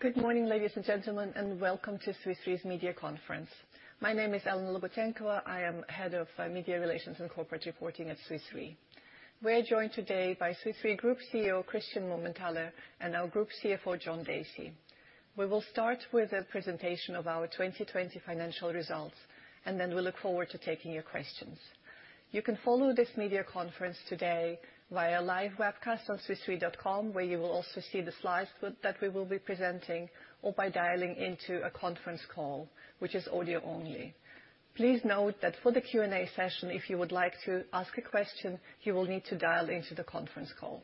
Good morning, ladies and gentlemen, and welcome to Swiss Re's media conference. My name is Elena Logutenkova. I am head of media relations and corporate reporting at Swiss Re. We're joined today by Swiss Re Group CEO, Christian Mumenthaler, and our Group CFO, John Dacey. We will start with a presentation of our 2020 financial results, and then we look forward to taking your questions. You can follow this media conference today via live webcast on swissre.com, where you will also see the slides that we will be presenting, or by dialing into a conference call, which is audio only. Please note that for the Q&A session, if you would like to ask a question, you will need to dial into the conference call.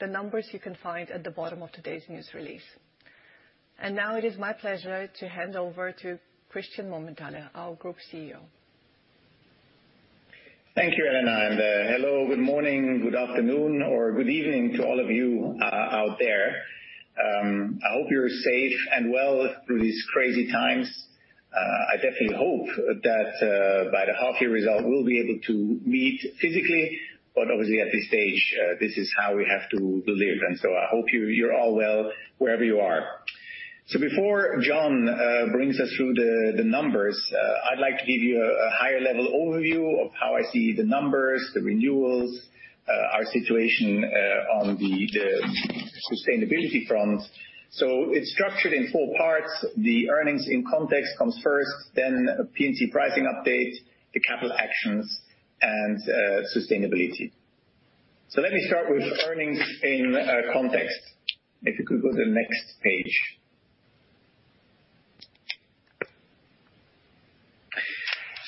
The numbers you can find at the bottom of today's news release. Now it is my pleasure to hand over to Christian Mumenthaler, our Group CEO. Thank you, Elena, and hello, good morning, good afternoon, or good evening to all of you out there. I hope you're safe and well through these crazy times. I definitely hope that by the half year result, we'll be able to meet physically, but obviously at this stage, this is how we have to live. I hope you're all well wherever you are. Before John brings us through the numbers, I'd like to give you a higher level overview of how I see the numbers, the renewals, our situation on the sustainability front. It's structured in four parts. The earnings in context comes first, then P&C pricing update, the capital actions, and sustainability. Let me start with earnings in context. If you could go to the next page.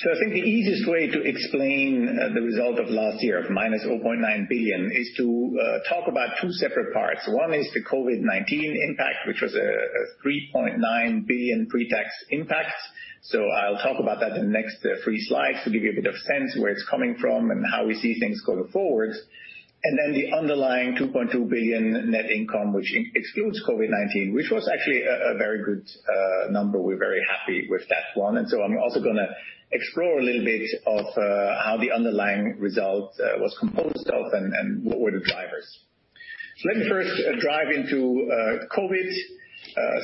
I think the easiest way to explain the result of last year of -$0.9 billion is to talk about two separate parts. One is the COVID-19 impact, which was a $3.9 billion pre-tax impact. I'll talk about that in the next three slides to give you a bit of sense where it's coming from and how we see things going forward. The underlying $2.2 billion net income, which excludes COVID-19, which was actually a very good number. We're very happy with that one. I'm also going to explore a little bit of how the underlying result was composed of and what were the drivers. Let me first dive into COVID-19.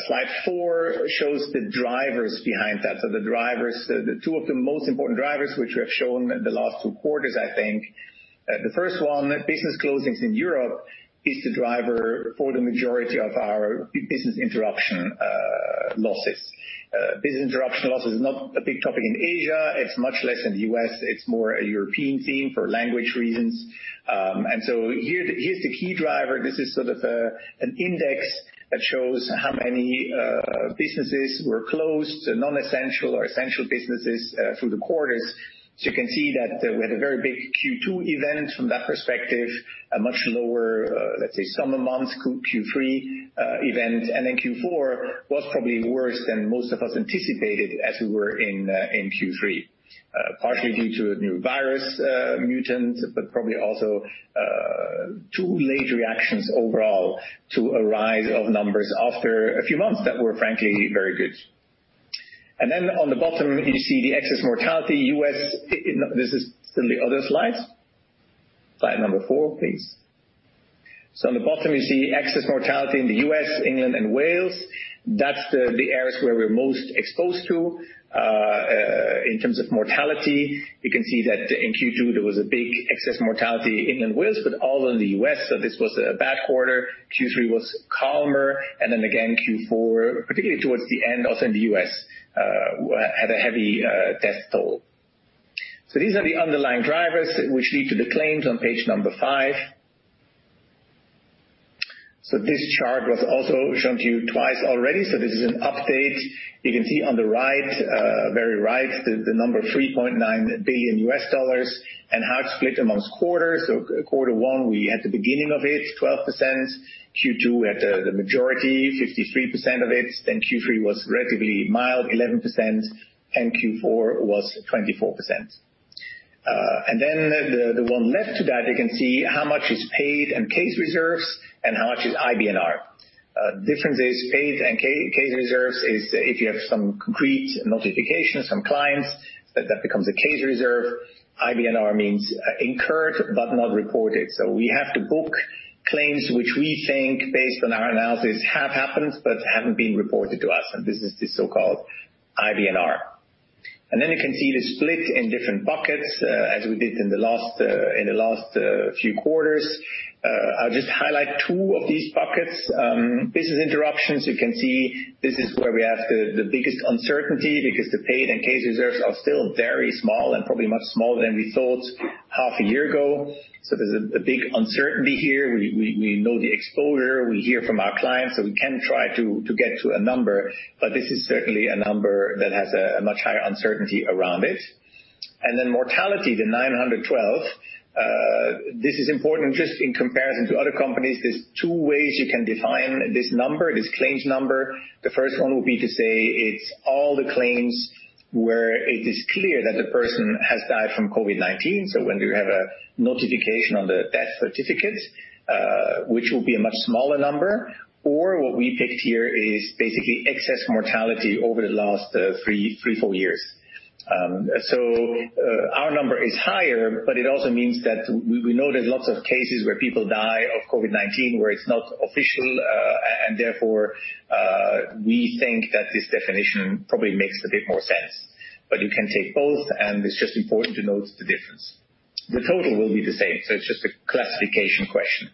Slide four shows the drivers behind that. Two of the most important drivers, which we have shown the last two quarters, I think. The first one, business closings in Europe, is the driver for the majority of our business interruption losses. Business interruption loss is not a big topic in Asia. It's much less in the U.S. It's more a European theme for language reasons. Here's the key driver. This is sort of an index that shows how many businesses were closed, non-essential or essential businesses through the quarters. You can see that we had a very big Q2 event from that perspective, a much lower, let's say, summer month Q3 event. Q4 was probably worse than most of us anticipated as we were in Q3, partially due to new virus mutants, but probably also too late reactions overall to a rise of numbers after a few months that were frankly very good. Then on the bottom, you see the excess mortality, U.S. This is still the other slides. Slide number four, please. On the bottom, you see excess mortality in the U.S., England, and Wales. That's the areas where we're most exposed to in terms of mortality. You can see that in Q2, there was a big excess mortality in England, Wales, but also in the U.S. This was a bad quarter. Q3 was calmer, then again, Q4, particularly towards the end, also in the U.S., had a heavy death toll. These are the underlying drivers which lead to the claims on page number five. This chart was also shown to you twice already. This is an update. You can see on the very right, the number $3.9 billion, and how it's split amongst quarters. Quarter one, we had the beginning of it, 12%. Q2, we had the majority, 53% of it. Q3 was relatively mild, 11%, and Q4 was 24%. The one left to that, you can see how much is paid and case reserves and how much is IBNR. Difference is paid and case reserves is if you have some concrete notification, some clients, that becomes a case reserve. IBNR means Incurred But Not Reported. We have to book claims which we think based on our analysis have happened but haven't been reported to us, and this is the so-called IBNR. You can see the split in different buckets as we did in the last few quarters. I will just highlight two of these buckets. Business interruptions, you can see this is where we have the biggest uncertainty because the paid and case reserves are still very small and probably much smaller than we thought half a year ago. There's a big uncertainty here. We know the exposure. We hear from our clients, so we can try to get to a number, but this is certainly a number that has a much higher uncertainty around it. Then mortality, the 912. This is important just in comparison to other companies. There's two ways you can define this number, this claims number. The first one would be to say it's all the claims where it is clear that the person has died from COVID-19. When you have a notification on the death certificate, which will be a much smaller number, or what we picked here is basically excess mortality over the last three, four years. Our number is higher, but it also means that we know there's lots of cases where people die of COVID-19, where it's not official. Therefore, we think that this definition probably makes a bit more sense. You can take both, and it's just important to note the difference. The total will be the same, so it's just a classification question.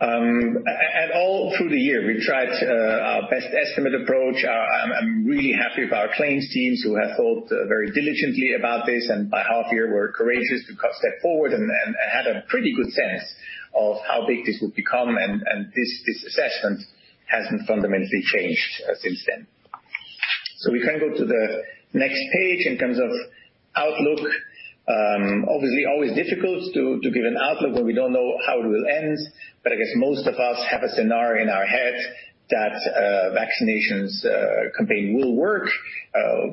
All through the year, we've tried our best estimate approach. I'm really happy with our claims teams who have thought very diligently about this, and by half year were courageous to step forward and had a pretty good sense of how big this would become, and this assessment hasn't fundamentally changed since then. We can go to the next page in terms of outlook. Obviously, always difficult to give an outlook when we don't know how it will end. I guess most of us have a scenario in our head that vaccination campaign will work.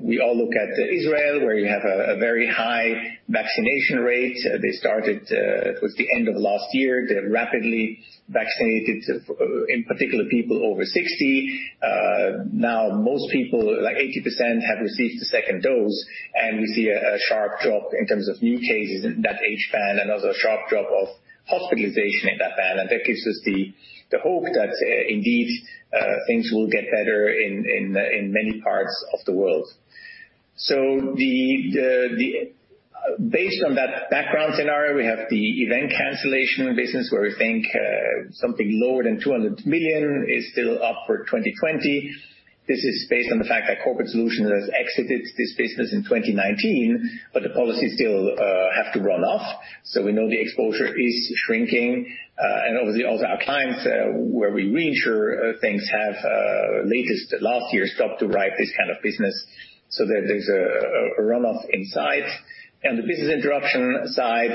We all look at Israel, where you have a very high vaccination rate. They started towards the end of last year. They rapidly vaccinated, in particular, people over 60. Now most people, 80%, have received the second dose, and we see a sharp drop in terms of new cases in that age band, and also a sharp drop of hospitalization in that band. That gives us the hope that indeed, things will get better in many parts of the world. Based on that background scenario, we have the event cancellation business where we think something lower than $200 million is still up for 2020. This is based on the fact that Corporate Solutions has exited this business in 2019, the policies still have to run off. We know the exposure is shrinking. Obviously also our clients, where we reinsure things, have latest last year stopped to write this kind of business so that there's a runoff in sight. The business interruption side,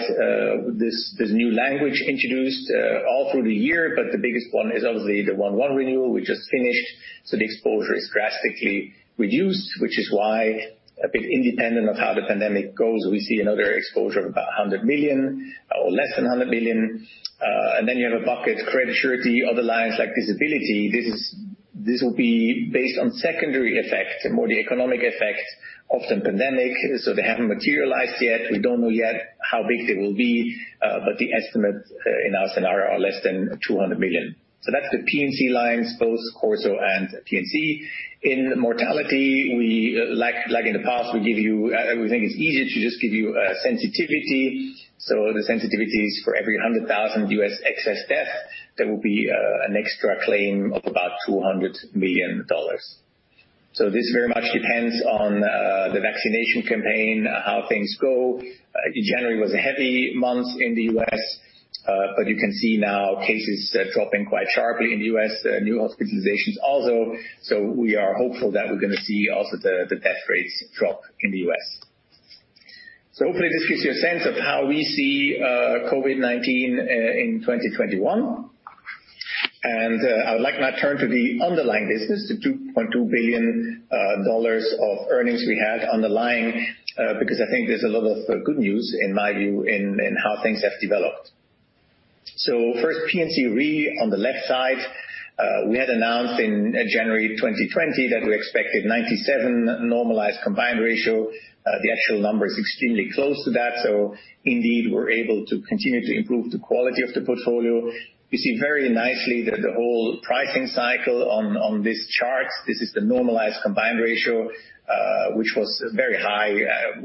there's new language introduced all through the year, the biggest one is obviously the one renewal we just finished. The exposure is drastically reduced, which is why a bit independent of how the pandemic goes, we see another exposure of about 100 million or less than 100 million. You have a bucket credit surety, other lines like disability. This will be based on secondary effects, more the economic effects of the pandemic. They haven't materialized yet. We don't know yet how big they will be. The estimates in our scenario are less than $200 million. That's the P&C lines, both CorSo and P&C. In mortality, like in the past, we think it's easier to just give you a sensitivity. The sensitivity is for every 100,000 U.S. excess death, there will be an extra claim of about $200 million. This very much depends on the vaccination campaign, how things go. January was a heavy month in the U.S. but you can see now cases dropping quite sharply in the U.S., new hospitalizations also. We are hopeful that we're going to see also the death rates drop in the U.S. Hopefully, this gives you a sense of how we see COVID-19 in 2021. I would like now turn to the underlying business, the $2.2 billion of earnings we had underlying, because I think there's a lot of good news, in my view, in how things have developed. First, P&C Re on the left side. We had announced in January 2020 that we expected 97% normalized combined ratio. The actual number is extremely close to that. Indeed, we're able to continue to improve the quality of the portfolio. You see very nicely the whole pricing cycle on this chart. This is the normalized combined ratio, which was very high,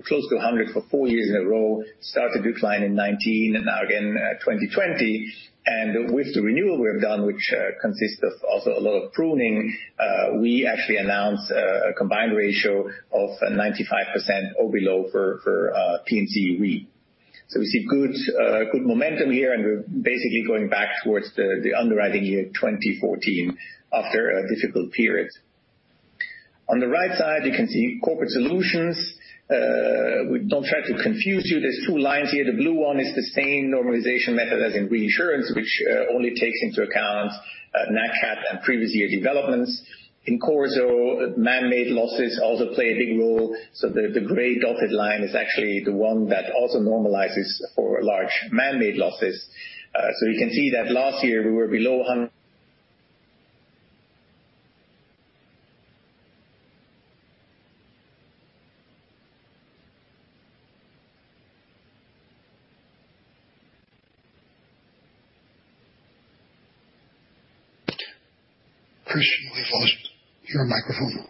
close to 100 for four years in a row, started to decline in 2019, and now again, 2020. With the renewal we have done, which consists of also a lot of pruning, we actually announced a combined ratio of 95% or below for P&C Re. We see good momentum here, and we're basically going back towards the underwriting year 2014 after a difficult period. On the right side, you can see Corporate Solutions. We don't try to confuse you. There's two lines here. The blue one is the same normalization method as in reinsurance, which only takes into account Nat Cat and previous year developments. In CorSo, man-made losses also play a big role. The gray dotted line is actually the one that also normalizes for large man-made losses. You can see that last year we were below 100- Christian, we've lost your microphone.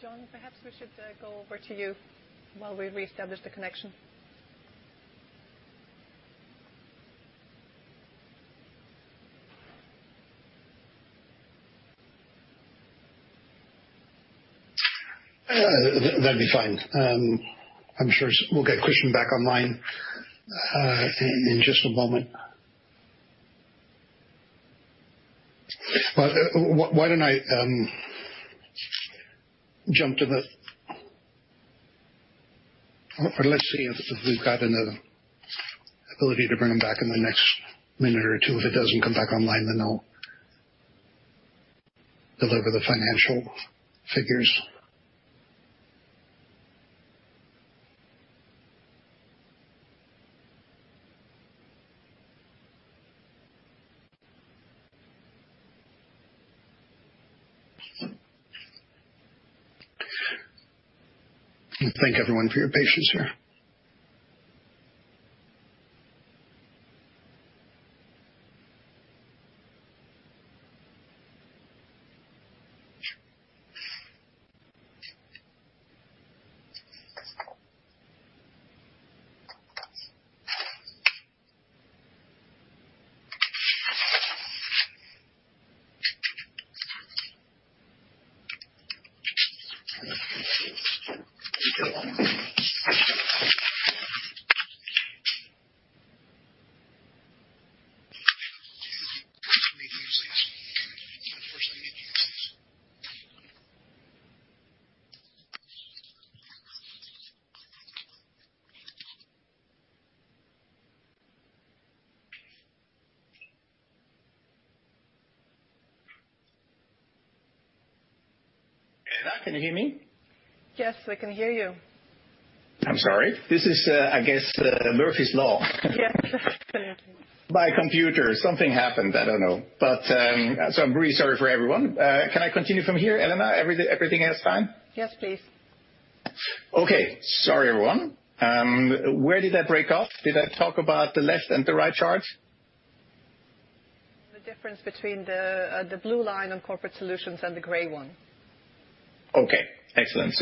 John, perhaps we should go over to you while we reestablish the connection. That'd be fine. I'm sure we'll get Christian back online in just a moment. Why don't I jump to the, or let's see if we've got another ability to bring him back in the next minute or two. If it doesn't come back online, then I'll deliver the financial figures. Thank you everyone for your patience here. Elena, can you hear me? Yes, we can hear you. I'm sorry. This is, I guess, Murphy's Law. Yes. My computer, something happened. I don't know. I'm really sorry for everyone. Can I continue from here, Elena? Everything else fine? Yes, please. Okay. Sorry, everyone. Where did I break off? Did I talk about the left and the right charts? The difference between the blue line on Corporate Solutions and the gray one. Okay. Excellent.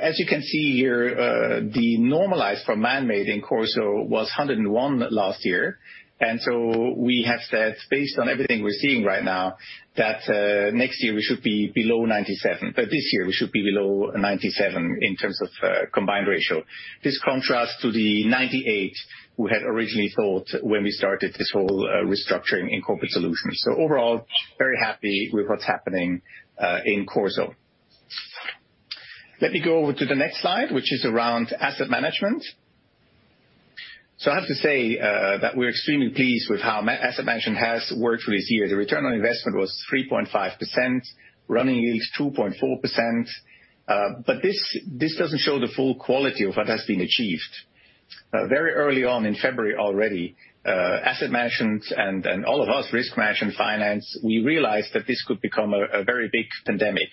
As you can see here, the normalized for man-made in CorSo was 101 last year. We have said, based on everything we're seeing right now, that next year we should be below 97. This year, we should be below 97 in terms of combined ratio. This contrasts to the 98 we had originally thought when we started this whole restructuring in Corporate Solutions. Overall, very happy with what's happening in CorSo. Let me go over to the next slide, which is around asset management. I have to say that we're extremely pleased with how asset management has worked for this year. The ROI was 3.5%. Running yield is 2.4%. This doesn't show the full quality of what has been achieved. Very early on in February already, asset management and all of us, risk management, finance, we realized that this could become a very big pandemic.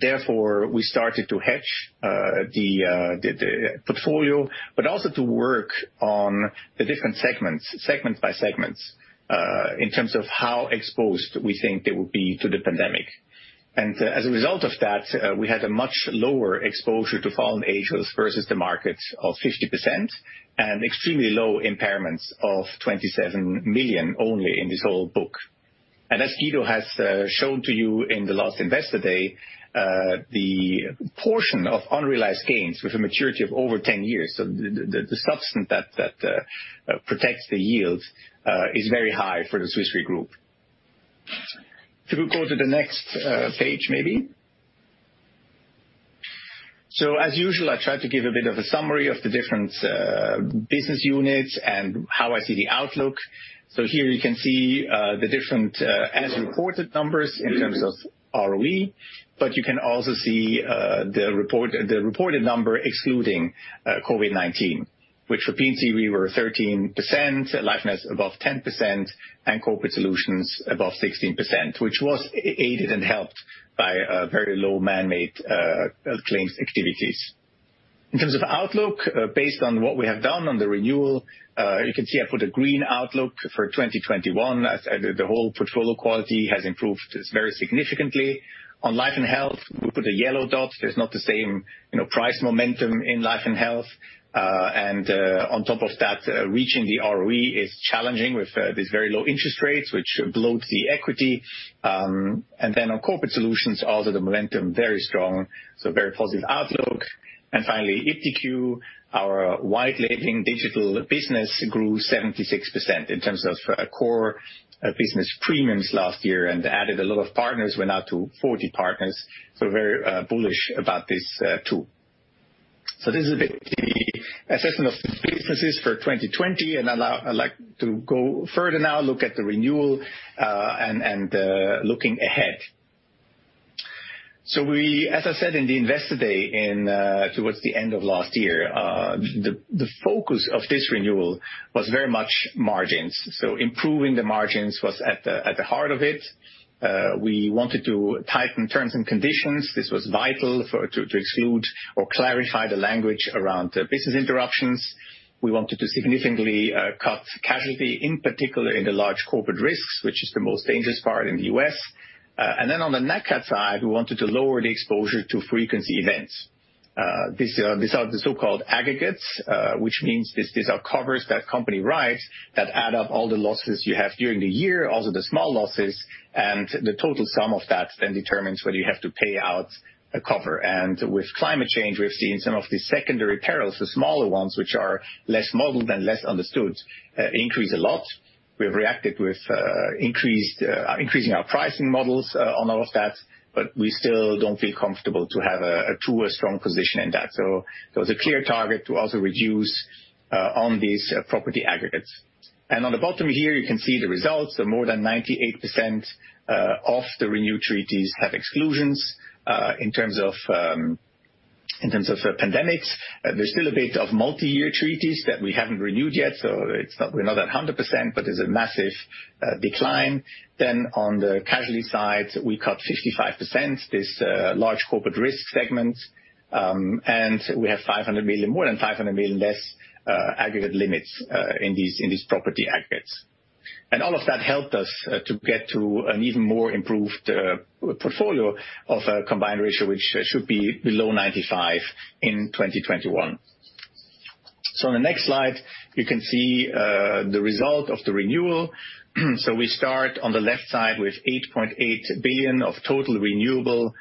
Therefore, we started to hedge the portfolio, but also to work on the different segments, segment by segments, in terms of how exposed we think they would be to the pandemic. As a result of that, we had a much lower exposure to fallen angels versus the market of 50% and extremely low impairments of $27 million only in this whole book. As Guido has shown to you in the last Investor Day, the portion of unrealized gains with a maturity of over 10 years, so the substance that protects the yields is very high for the Swiss Re group. If you go to the next page, maybe. As usual, I try to give a bit of a summary of the different business units and how I see the outlook. Here you can see the different as reported numbers in terms of ROE, but you can also see the reported number excluding COVID-19, which for P&C, we were 13%, Life & Health above 10%, and Corporate Solutions above 16%, which was aided and helped by very low man-made claims activities. In terms of outlook, based on what we have done on the renewal, you can see I put a green outlook for 2021. The whole portfolio quality has improved very significantly. On Life & Health, we put a yellow dot. There's not the same price momentum in Life & Health. On top of that, reaching the ROE is challenging with these very low interest rates, which bloats the equity. On Corporate Solutions, also the momentum, very strong, very positive outlook. Finally, iptiQ, our white labeling digital business grew 76% in terms of core business premiums last year and added a lot of partners. We're now to 40 partners, very bullish about this too. This is a bit the assessment of the businesses for 2020. I'd like to go further now, look at the renewal, and looking ahead. As I said in the Investor Day towards the end of last year, the focus of this renewal was very much margins. Improving the margins was at the heart of it. We wanted to tighten terms and conditions. This was vital to exclude or clarify the language around business interruptions. We wanted to significantly cut casualty, in particular in the large corporate risks, which is the most dangerous part in the U.S. On the Nat Cat side, we wanted to lower the exposure to frequency events. These are the so-called aggregates, which means these are covers that company writes that add up all the losses you have during the year, also the small losses, and the total sum of that then determines whether you have to pay out a cover. With climate change, we've seen some of the secondary perils, the smaller ones, which are less modeled and less understood, increase a lot. We have reacted with increasing our pricing models on all of that, but we still don't feel comfortable to have a too strong position in that. It was a clear target to also reduce on these property aggregates. On the bottom here, you can see the results, more than 98% of the renew treaties have exclusions. In terms of pandemics, there's still a bit of multi-year treaties that we haven't renewed yet, so we're not at 100%, but there's a massive decline. On the casualty side, we cut 55%, this large corporate risk segment. We have more than $500 million less aggregate limits in these property aggregates. All of that helped us to get to an even more improved portfolio of a combined ratio, which should be below 95% in 2021. On the next slide, you can see the result of the renewal. We start on the left side with $8.8 billion of total renewable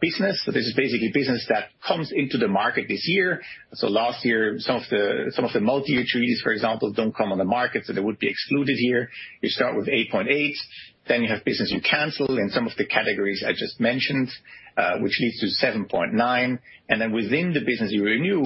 business. This is basically business that comes into the market this year. Last year, some of the multi-year treaties, for example, don't come on the market, so they would be excluded here. You start with 8.8, you have business you cancel in some of the categories I just mentioned, which leads to 7.9. Within the business you renew,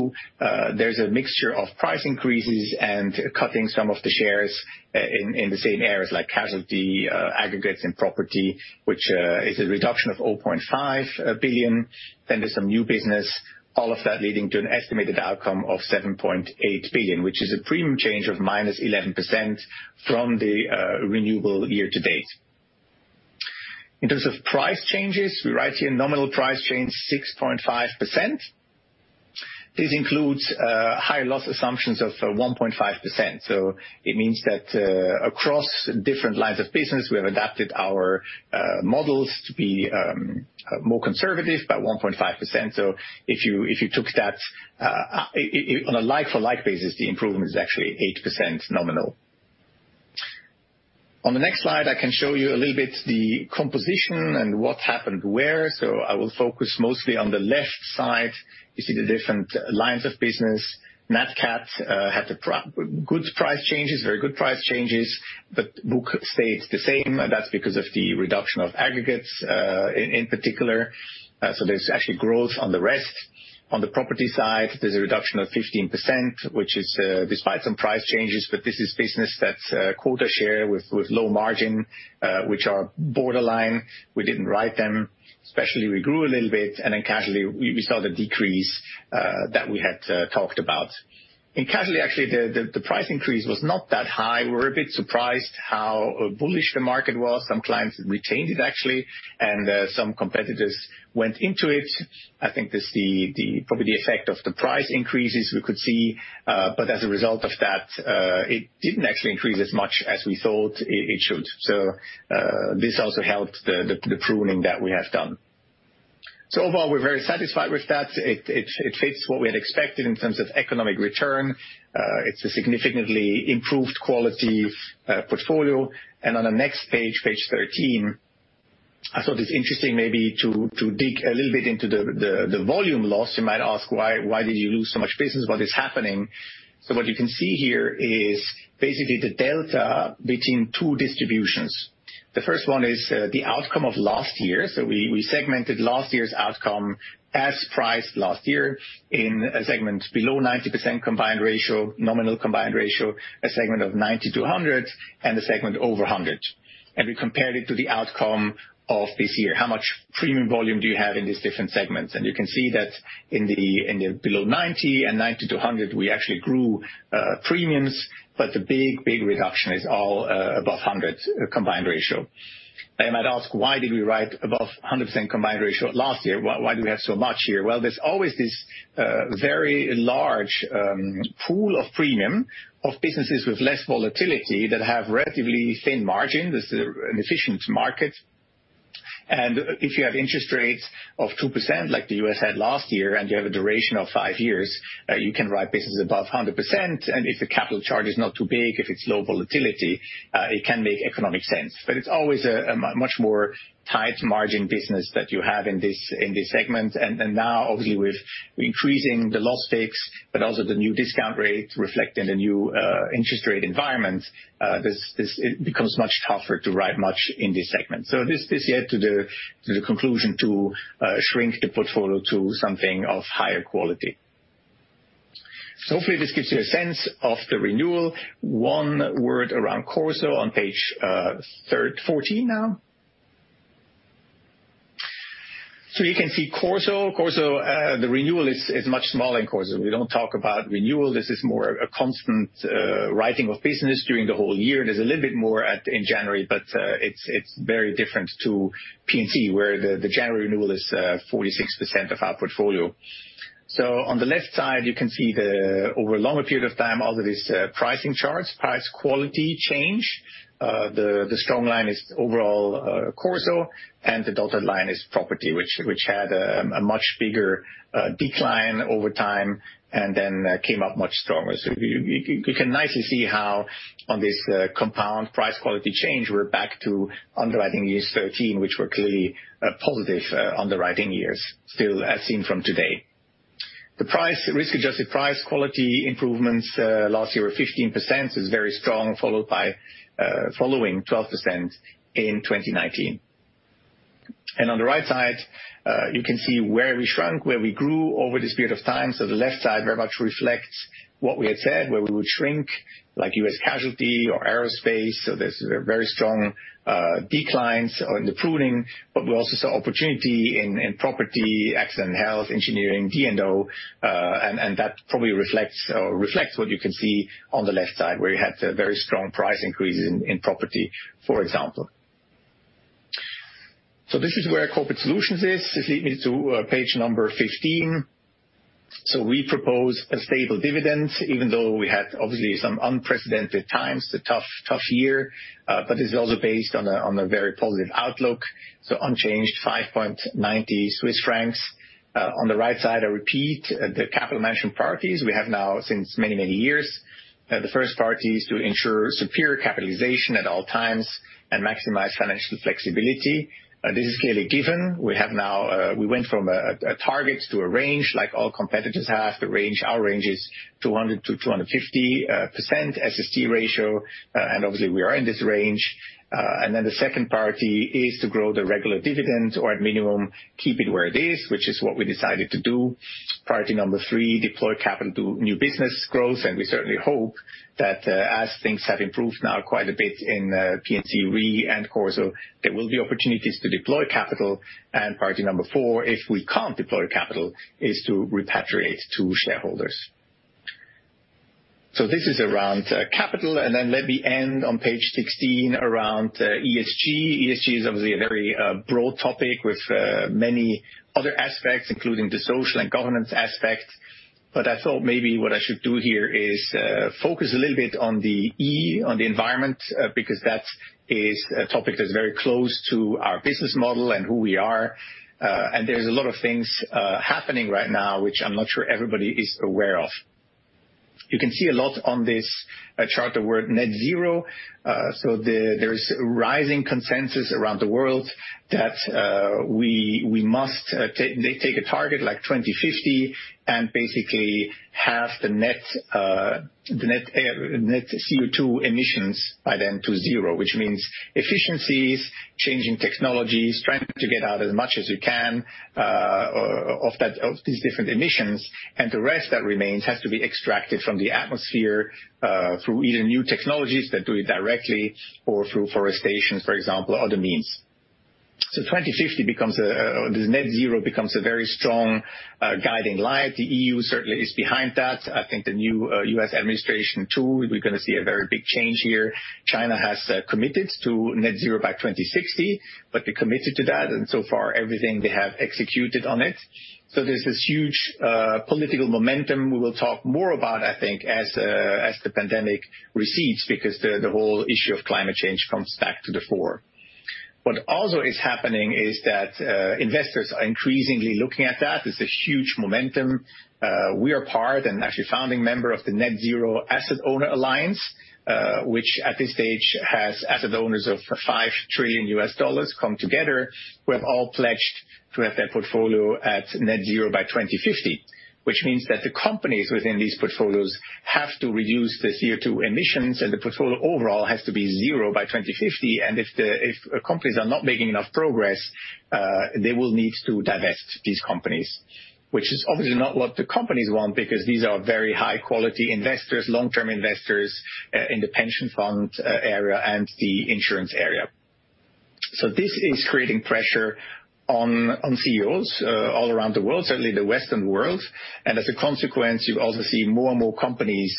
there's a mixture of price increases and cutting some of the shares in the same areas like casualty, aggregates, and property, which is a reduction of 0.5 billion. There's some new business, all of that leading to an estimated outcome of 7.8 billion, which is a premium change of -11% from the renewable year-to-date. In terms of price changes, we write here nominal price change 6.5%. This includes higher loss assumptions of 1.5%. It means that across different lines of business, we have adapted our models to be more conservative by 1.5%. If you took that on a like for like basis, the improvement is actually 8% nominal. On the next slide, I can show you a little bit the composition and what happened where. I will focus mostly on the left side. You see the different lines of business. Nat Cat had good price changes, very good price changes, but book stays the same. That's because of the reduction of aggregates in particular. There's actually growth on the rest. On the property side, there's a reduction of 15%, which is despite some price changes, but this is business that's quota share with low margin, which are borderline. We didn't write them. Specialty, we grew a little bit, and then casualty, we saw the decrease that we had talked about. In casualty, actually, the price increase was not that high. We were a bit surprised how bullish the market was. Some clients retained it actually, and some competitors went into it. I think this the, probably the effect of the price increases we could see. As a result of that, it didn't actually increase as much as we thought it should. This also helped the pruning that we have done. Overall, we're very satisfied with that. It fits what we had expected in terms of economic return. It's a significantly improved quality portfolio. On the next page 13, I thought it's interesting maybe to dig a little bit into the volume loss. You might ask, why did you lose so much business? What is happening? What you can see here is basically the delta between two distributions. The first one is the outcome of last year. We segmented last year's outcome as priced last year in a segment below 90% combined ratio, nominal combined ratio, a segment of 90%-100%, and a segment over 100%. We compared it to the outcome of this year. How much premium volume do you have in these different segments? You can see that in the below 90% and 90%-100%, we actually grew premiums, but the big reduction is all above 100% combined ratio. You might ask, why did we write above 100% combined ratio last year? Why do we have so much here? There's always this very large pool of premium of businesses with less volatility that have relatively thin margin. This is an efficient market. If you have interest rates of 2% like the U.S. had last year, and you have a duration of five years, you can write business above 100% and if the capital charge is not too big if it's low volatility, it can make economic sense. It's always a much more tight margin business that you have in this segment. Now obviously with increasing the loss takes, but also the new discount rate reflecting the new interest rate environment, it becomes much tougher to write much in this segment. This led to the conclusion to shrink the portfolio to something of higher quality. Hopefully this gives you a sense of the renewal. One word around CorSo on page 14 now. You can see CorSo. CorSo, the renewal is much smaller in CorSo. We don't talk about renewal. This is more a constant writing of business during the whole year. There's a little bit more in January, but it's very different to P&C, where the January renewal is 46% of our portfolio. On the left side, you can see the over a longer period of time, all of these pricing charts, price quality change. The strong line is overall CorSo, and the dotted line is property, which had a much bigger decline over time and then came up much stronger. You can nicely see how on this compound price quality change, we're back to underwriting years 2013, which were clearly positive underwriting years still as seen from today. The risk-adjusted price quality improvements last year were 15%, is very strong, followed by following 12% in 2019. On the right side, you can see where we shrunk, where we grew over this period of time. The left side very much reflects what we had said, where we would shrink, like U.S. casualty or aerospace. There's very strong declines in the pruning, but we also saw opportunity in property, accident health, engineering, D&O, and that probably reflects what you can see on the left side, where you had very strong price increases in property, for example. This is where Corporate Solutions is. This leads me to page number 15. We propose a stable dividend, even though we had obviously some unprecedented times, a tough year. It's also based on a very positive outlook. Unchanged 5.90 Swiss francs. On the right side, I repeat the capital management priorities we have now since many, many years. The first priority is to ensure superior capitalization at all times and maximize financial flexibility. This is clearly given. We went from a target to a range, like all competitors have. The range, our range is 200% to 250% SST ratio, and obviously, we are in this range. The second priority is to grow the regular dividend or at minimum, keep it where it is, which is what we decided to do. Priority number three, deploy capital to new business growth, and we certainly hope that as things have improved now quite a bit in P&C Re and CorSo, there will be opportunities to deploy capital. Priority number four, if we can't deploy capital, is to repatriate to shareholders. This is around capital, and then let me end on page 16 around ESG. ESG is obviously a very broad topic with many other aspects, including the social and governance aspect. I thought maybe what I should do here is focus a little bit on the E, on the environment, because that is a topic that's very close to our business model and who we are. There's a lot of things happening right now, which I'm not sure everybody is aware of. You can see a lot on this chart, the word net zero. There is rising consensus around the world that we must take a target like 2050 and basically halve the net CO2 emissions by then to zero, which means efficiencies, changing technologies, trying to get out as much as you can of these different emissions. The rest that remains has to be extracted from the atmosphere through either new technologies that do it directly or through forestation, for example, other means. 2050 becomes this net zero becomes a very strong guiding light. The E.U. certainly is behind that. I think the new U.S. administration, too, we're going to see a very big change here. China has committed to net zero by 2060, but they're committed to that, and so far, everything they have executed on it. There's this huge political momentum we will talk more about, I think, as the pandemic recedes because the whole issue of climate change comes back to the fore. What also is happening is that investors are increasingly looking at that. There's a huge momentum. We are part and actually founding member of the Net-Zero Asset Owner Alliance, which at this stage has asset owners of $5 trillion come together. We have all pledged to have that portfolio at net zero by 2050, which means that the companies within these portfolios have to reduce the CO2 emissions, and the portfolio overall has to be zero by 2050. If companies are not making enough progress, they will need to divest these companies, which is obviously not what the companies want because these are very high-quality investors, long-term investors in the pension fund area and the insurance area. This is creating pressure on CEOs all around the world, certainly the Western World. As a consequence, you also see more and more companies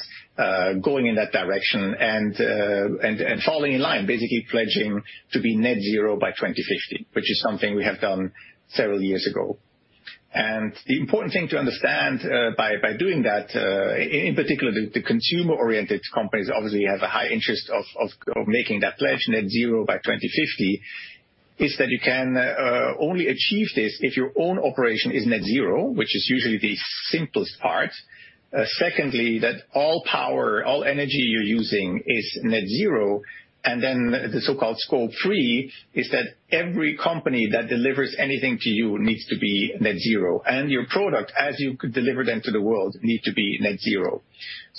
going in that direction and falling in line, basically pledging to be net zero by 2050, which is something we have done several years ago. The important thing to understand by doing that, in particular, the consumer-oriented companies obviously have a high interest of making that pledge, net zero by 2050, is that you can only achieve this if your own operation is net zero, which is usually the simplest part. Secondly, that all power, all energy you're using is net zero. The so-called Scope 3 is that every company that delivers anything to you needs to be net zero, and your product, as you deliver them to the world, need to be net zero.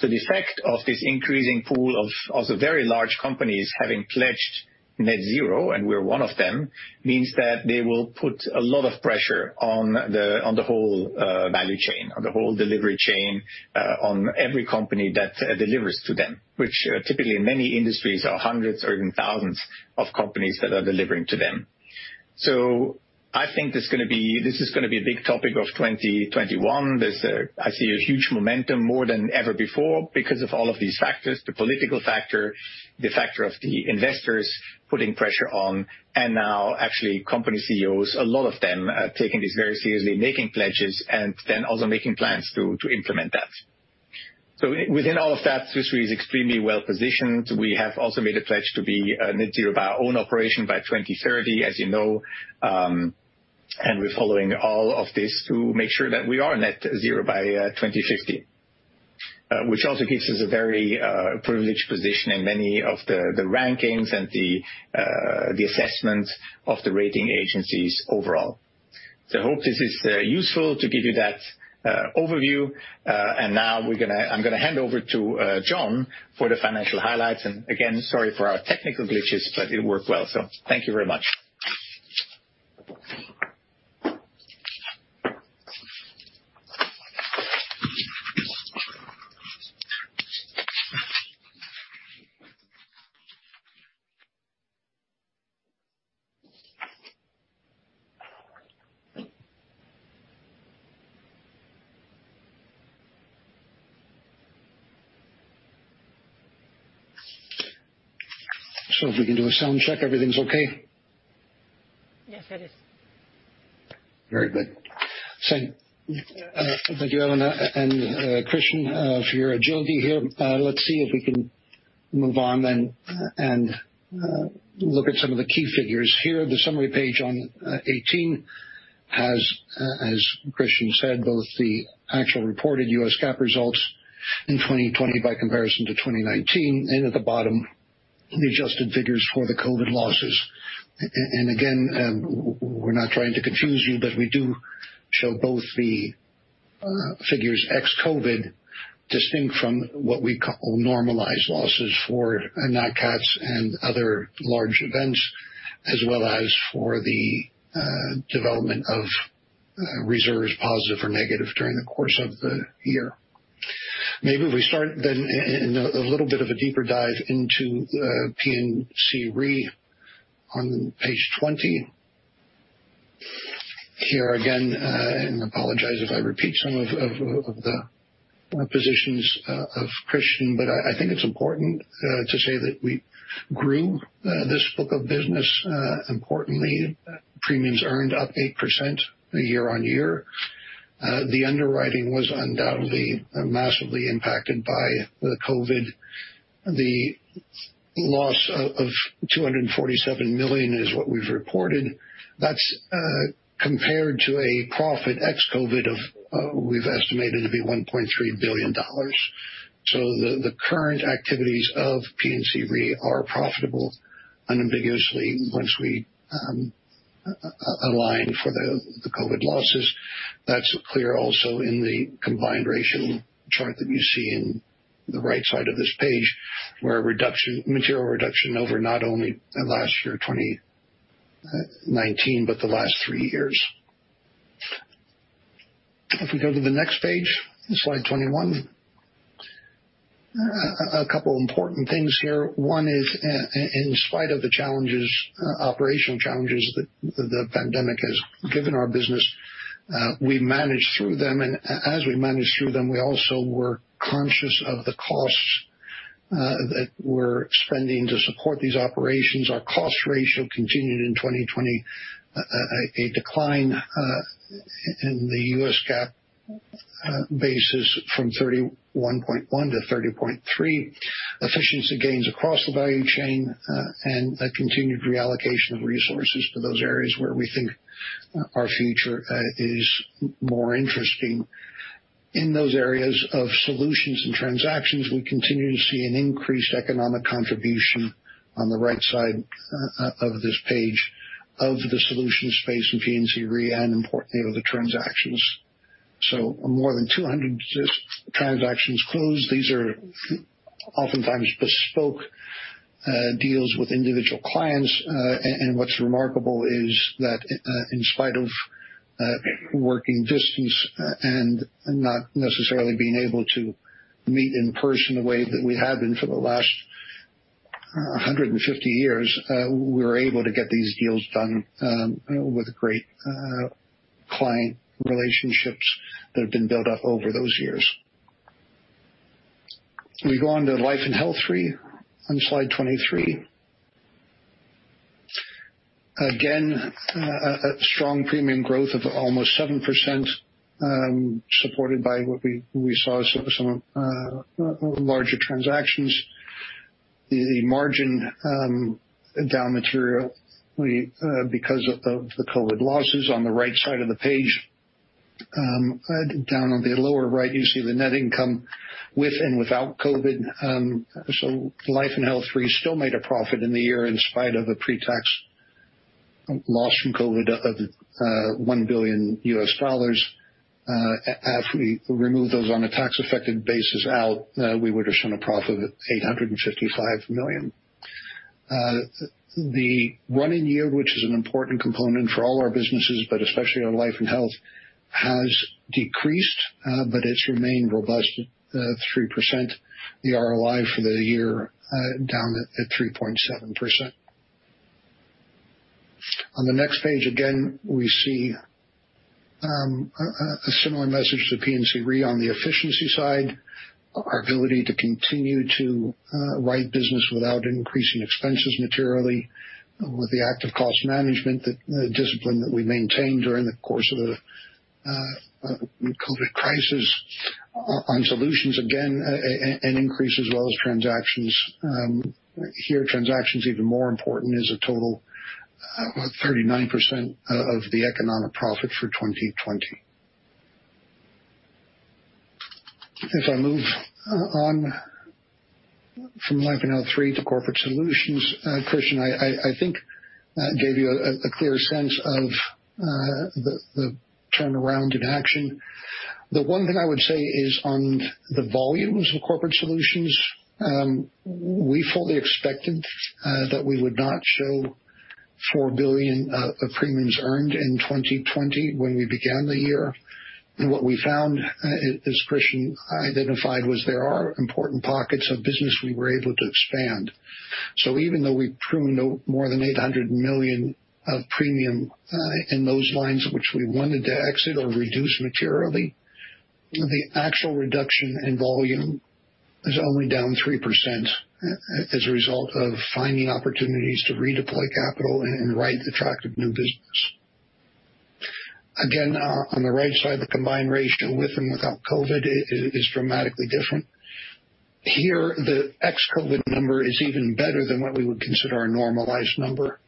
The effect of this increasing pool of also very large companies having pledged net zero, and we're one of them, means that they will put a lot of pressure on the whole value chain, on the whole delivery chain, on every company that delivers to them, which typically in many industries are hundreds or even thousands of companies that are delivering to them. I think this is going to be a big topic of 2021. I see a huge momentum more than ever before because of all of these factors, the political factor, the factor of the investors putting pressure on, and now actually company CEOs, a lot of them are taking this very seriously, making pledges and then also making plans to implement that. Within all of that, Swiss Re is extremely well-positioned. We have also made a pledge to be net zero by our own operation by 2030, as you know, and we're following all of this to make sure that we are net zero by 2050. Which also gives us a very privileged position in many of the rankings and the assessments of the rating agencies overall. Hope this is useful to give you that overview. Now I'm going to hand over to John for the financial highlights. Again, sorry for our technical glitches, but it worked well. Thank you very much. If we can do a sound check, everything's okay? Yes, it is. Very good. Thank you, Elena and Christian, for your agility here. Let's see if we can move on and look at some of the key figures here. The summary page on 18 as Christian said, both the actual reported U.S. GAAP results in 2020 by comparison to 2019, and at the bottom, the adjusted figures for the COVID losses. Again, we're not trying to confuse you, but we do show both the figures ex-COVID, distinct from what we call normalized losses for Nat Cats and other large events, as well as for the development of reserves, ±, during the course of the year. Maybe we start in a little bit of a deeper dive into P&C Re on page 20. Here again, apologize if I repeat some of the positions of Christian, but I think it's important to say that we grew this book of business. Importantly, premiums earned up 8% year-on-year. The underwriting was undoubtedly massively impacted by the COVID. The loss of $247 million is what we've reported. That's compared to a profit ex-COVID of, we've estimated to be $1.3 billion. The current activities of P&C Re are profitable unambiguously once we align for the COVID losses. That's clear also in the combined ratio chart that you see in the right side of this page, where a material reduction over not only last year, 2019, but the last three years. If we go to the next page, slide 21. A couple important things here. One is, in spite of the operational challenges that the pandemic has given our business, we managed through them, and as we managed through them, we also were conscious of the costs that we're spending to support these operations. Our cost ratio continued in 2020, a decline in the U.S. GAAP basis from 31.1 to 30.3. Efficiency gains across the value chain and a continued reallocation of resources for those areas where we think our future is more interesting. In those areas of solutions and transactions, we continue to see an increased economic contribution on the right side of this page of the solution space in P&C Re and importantly with the transactions. More than 200 transactions closed. These are oftentimes bespoke deals with individual clients. What's remarkable is that in spite of working distance and not necessarily being able to meet in person the way that we have been for the last 150 years, we were able to get these deals done with great client relationships that have been built up over those years. We go on to Life & Health Re on slide 23. Again, a strong premium growth of almost 7%, supported by what we saw, some larger transactions. The margin down materially because of the COVID losses on the right side of the page. Down on the lower right, you see the net income with and without COVID. Life & Health Re still made a profit in the year in spite of a pre-tax loss from COVID of $1 billion. After we remove those on a tax effective basis out, we would have shown a profit of $855 million. The running yield, which is an important component for all our businesses, but especially on Life & Health, has decreased, but it's remained robust at 3%. The ROI for the year down at 3.7%. On the next page, again, we see a similar message to P&C Re on the efficiency side. Our ability to continue to write business without increasing expenses materially with the active cost management discipline that we maintained during the course of the COVID crisis. On solutions, again, an increase as well as transactions. Here, transactions even more important is a total, about 39% of the economic profit for 2020. As I move on from Life & Health to Corporate Solutions, Christian, I think that gave you a clear sense of the turnaround in action. The one thing I would say is on the volumes of Corporate Solutions, we fully expected that we would not show $4 billion of premiums earned in 2020 when we began the year. What we found, as Christian identified, was there are important pockets of business we were able to expand. Even though we pruned more than $800 million of premium in those lines, which we wanted to exit or reduce materially, the actual reduction in volume is only down 3% as a result of finding opportunities to redeploy capital and write attractive new business. Again, on the right side, the combined ratio with and without COVID is dramatically different. Here, the ex-COVID number is even better than what we would consider a normalized number.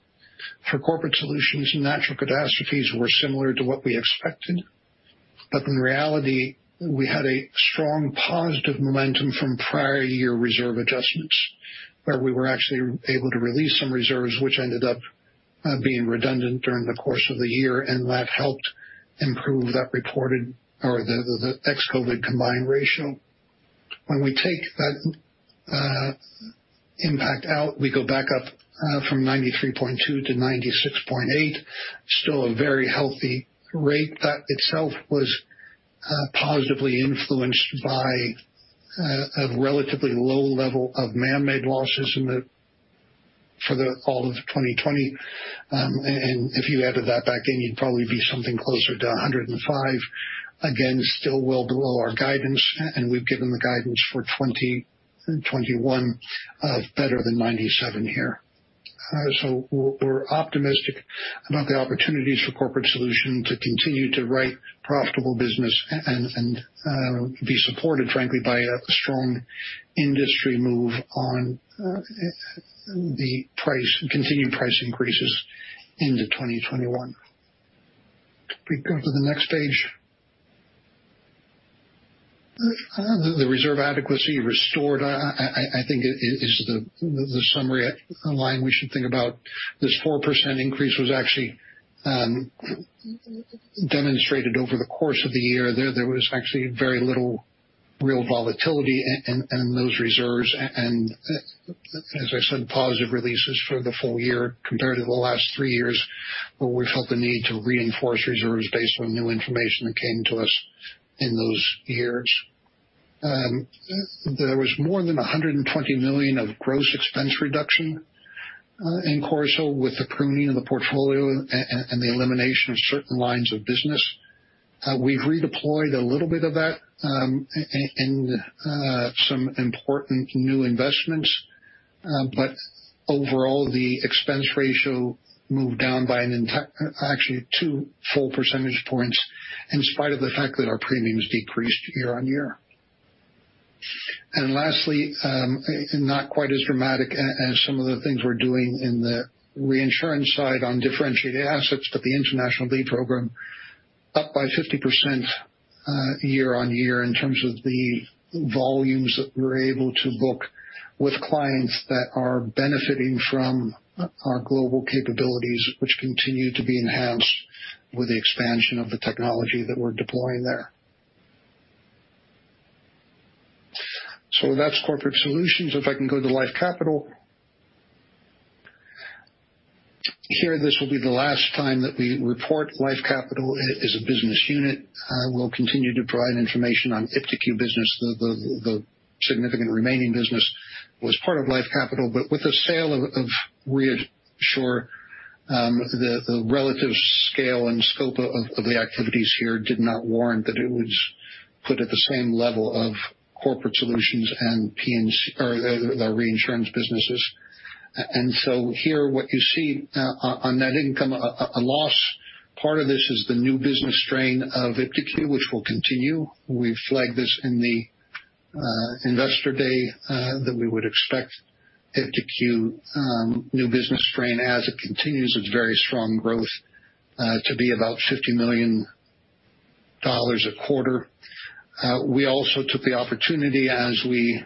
For Corporate Solutions, natural catastrophes were similar to what we expected. In reality, we had a strong positive momentum from prior year reserve adjustments, where we were actually able to release some reserves, which ended up being redundant during the course of the year, and that helped improve that reported or the ex-COVID combined ratio. When we take that impact out, we go back up from 93.2-96.8. Still a very healthy rate that itself was positively influenced by a relatively low level of man-made losses for all of 2020. If you added that back in, you'd probably be something closer to 105. Again, still well below our guidance. We've given the guidance for 2021 of better than 97 here. We're optimistic about the opportunities for Corporate Solutions to continue to write profitable business and be supported, frankly, by a strong industry move on the continued price increases into 2021. Can we go to the next page? The reserve adequacy restored, I think, is the summary line we should think about. This 4% increase was actually demonstrated over the course of the year. There was actually very little real volatility in those reserves. As I said, positive releases for the full year compared to the last three years, where we felt the need to reinforce reserves based on new information that came to us in those years. There was more than 120 million of gross expense reduction in CorSo with the pruning of the portfolio and the elimination of certain lines of business. We've redeployed a little bit of that in some important new investments. Overall, the expense ratio moved down by an entire, actually, two full percentage points in spite of the fact that our premiums decreased year-over-year. Lastly, not quite as dramatic as some of the things we're doing in the reinsurance side on differentiated assets, but the International LEAD program up by 50% year-on-year in terms of the volumes that we're able to book with clients that are benefiting from our global capabilities, which continue to be enhanced with the expansion of the technology that we're deploying there. That's Corporate Solutions. If I can go to Life Capital. Here, this will be the last time that we report Life Capital as a business unit. We'll continue to provide information on iptiQ business, the significant remaining business was part of Life Capital. With the sale of ReAssure, the relative scale and scope of the activities here did not warrant that it was put at the same level of Corporate Solutions and the reinsurance businesses. Here what you see on net income, a loss, part of this is the new business strain of iptiQ, which will continue. We've flagged this in the investor day that we would expect iptiQ new business strain as it continues its very strong growth to be about $50 million a quarter. We also took the opportunity as we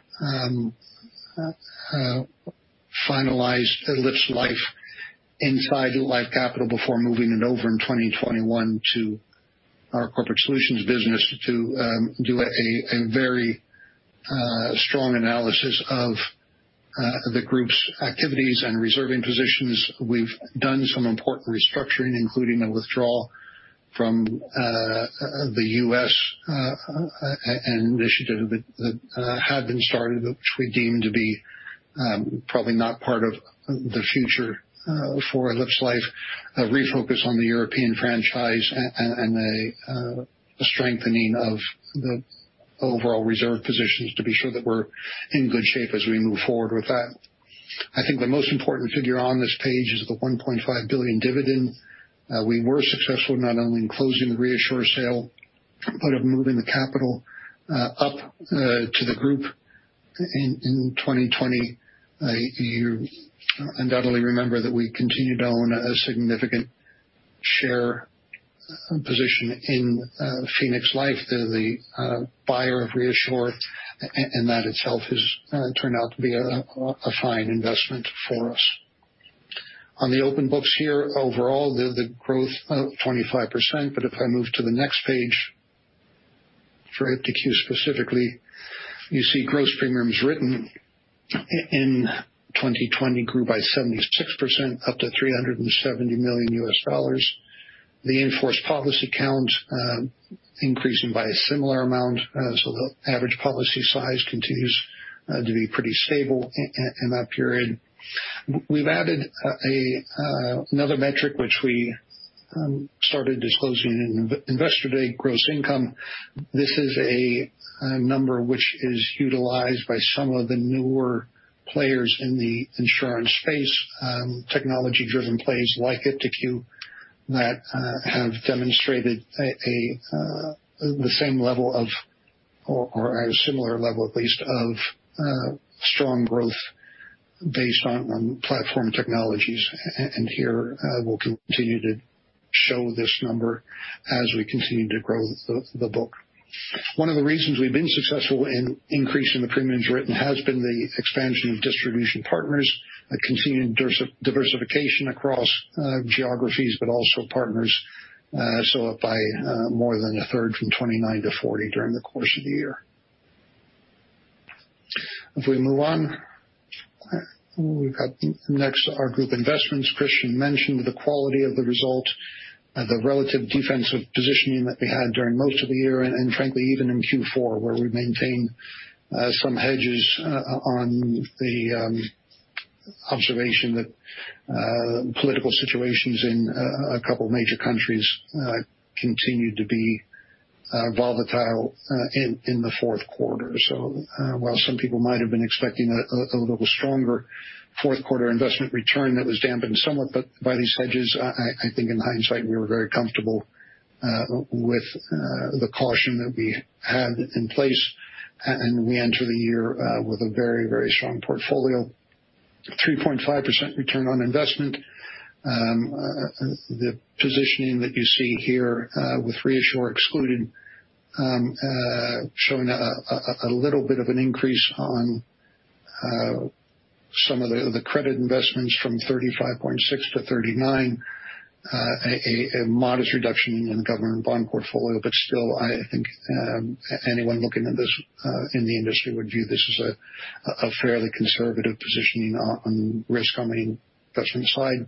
finalized elipsLife inside Life Capital before moving it over in 2021 to our Corporate Solutions business to do a very strong analysis of the group's activities and reserving positions. We've done some important restructuring, including a withdrawal from the U.S. initiative that had been started, which we deemed to be probably not part of the future for elipsLife, a refocus on the European franchise and a strengthening of the overall reserve positions to be sure that we're in good shape as we move forward with that. I think the most important figure on this page is the $1.5 billion dividend. We were successful not only in closing the ReAssure sale, but of moving the capital up to the group. In 2020, you undoubtedly remember that we continued to own a significant share position in Phoenix Group. They're the buyer of ReAssure. That itself has turned out to be a fine investment for us. On the open books here, overall, the growth of 25%. If I move to the next page for iptiQ specifically, you see gross premiums written in 2020 grew by 76%, up to $370 million. The in-force policy count increasing by a similar amount. The average policy size continues to be pretty stable in that period. We've added another metric, which we started disclosing in Investor Day, gross income. This is a number which is utilized by some of the newer players in the insurance space, technology-driven players like iptiQ, that have demonstrated the same level of, or at a similar level at least, of strong growth based on platform technologies. Here, we'll continue to show this number as we continue to grow the book. One of the reasons we've been successful in increasing the premiums written has been the expansion of distribution partners, a continued diversification across geographies, but also partners. Up by more than 1/3 from 29-40 during the course of the year. If we move on, we've got next our group investments. Christian mentioned the quality of the result, the relative defensive positioning that we had during most of the year, and frankly, even in Q4, where we maintained some hedges on the observation that political situations in a couple of major countries continued to be volatile in the fourth quarter. While some people might have been expecting a little stronger fourth quarter investment return, that was dampened somewhat by these hedges. I think in hindsight, we were very comfortable with the caution that we had in place. We enter the year with a very, very strong portfolio, 3.5% return on investment. The positioning that you see here with Reassure excluded, showing a little bit of an increase on some of the credit investments from 35.6-39 a modest reduction in the government bond portfolio. Still, I think anyone looking at this in the industry would view this as a fairly conservative positioning on risk on the investment side.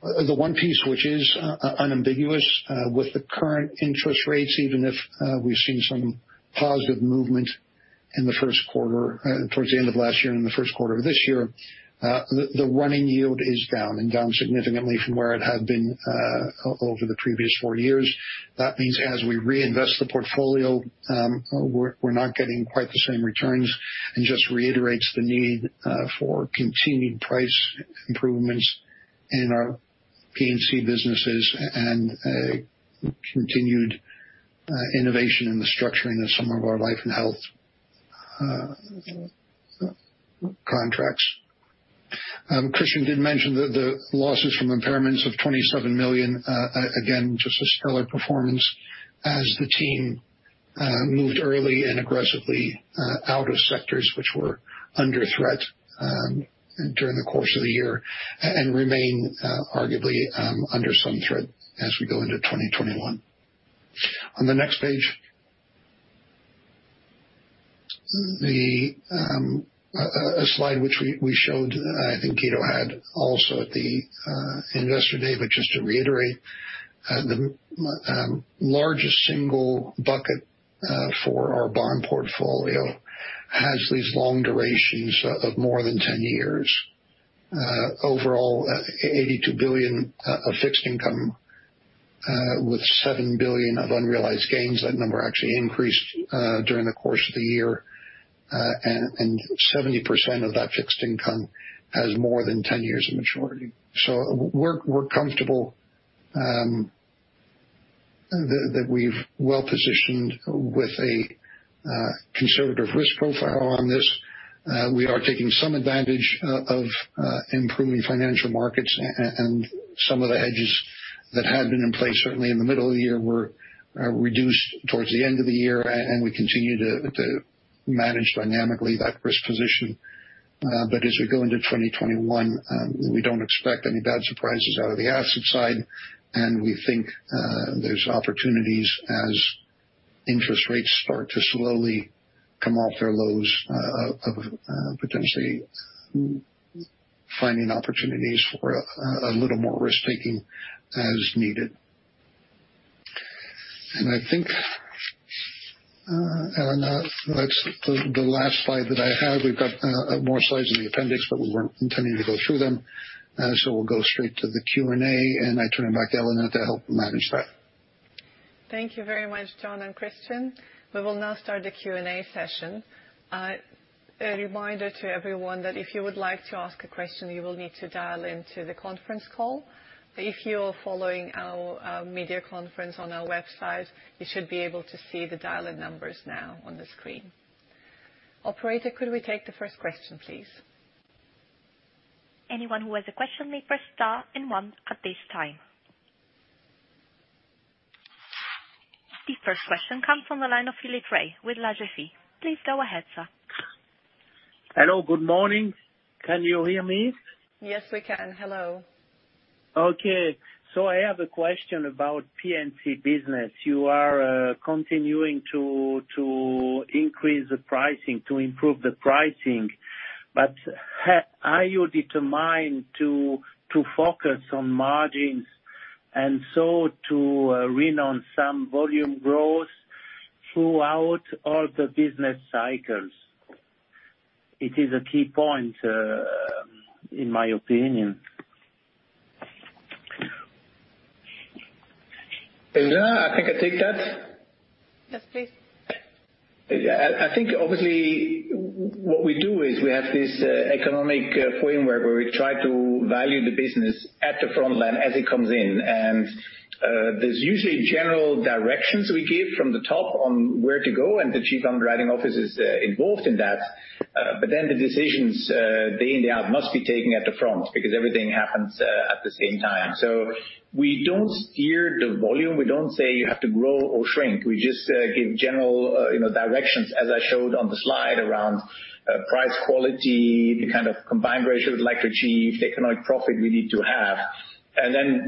The one piece which is unambiguous with the current interest rates, even if we've seen some positive movement towards the end of last year and the first quarter of this year, the running yield is down, and down significantly from where it had been over the previous four years. That means as we reinvest the portfolio, we're not getting quite the same returns and just reiterates the need for continued price improvements in our P&C businesses and continued innovation in the structuring of some of our life and health contracts. Christian did mention the losses from impairments of $27 million. Just a stellar performance as the team moved early and aggressively out of sectors which were under threat during the course of the year and remain arguably under some threat as we go into 2021. On the next page, a slide which we showed, I think Guido had also at the Investor Day, but just to reiterate, the largest single bucket for our bond portfolio has these long durations of more than 10 years. Overall, 82 billion of fixed income with 7 billion of unrealized gains. That number actually increased during the course of the year. 70% of that fixed income has more than 10 years of maturity. We're comfortable that we've well-positioned with a conservative risk profile on this. We are taking some advantage of improving financial markets and some of the hedges that had been in place certainly in the middle of the year were reduced towards the end of the year, and we continue to manage dynamically that risk position. As we go into 2021, we don't expect any bad surprises out of the asset side, and we think there's opportunities as interest rates start to slowly come off their lows of potentially finding opportunities for a little more risk-taking as needed. I think, Elena, that's the last slide that I have. We've got more slides in the appendix, but we weren't intending to go through them. We'll go straight to the Q&A, and I turn it back to Elena to help manage that. Thank you very much, John and Christian. We will now start the Q&A session. A reminder to everyone that if you would like to ask a question, you will need to dial into the conference call. If you are following our media conference on our website, you should be able to see the dial-in numbers now on the screen. Operator, could we take the first question, please? Anyone who has a question may press star and one at this time. The first question comes from the line of Philippe Rey with L'Agefi. Please go ahead, sir. Hello. Good morning. Can you hear me? Yes, we can. Hello. Okay. I have a question about P&C business. You are continuing to increase the pricing, to improve the pricing. Are you determined to focus on margins and so to rein in some volume growth throughout all the business cycles? It is a key point, in my opinion. Elena, I think I take that. Yes, please. I think obviously what we do is we have this economic framework where we try to value the business at the frontline as it comes in. There's usually general directions we give from the top on where to go, and the Chief Underwriting Office is involved in that. The decisions, day in, day out, must be taken at the front because everything happens at the same time. We don't steer the volume. We don't say you have to grow or shrink. We just give general directions as I showed on the slide around price quality, the kind of combined ratio we'd like to achieve, the economic profit we need to have.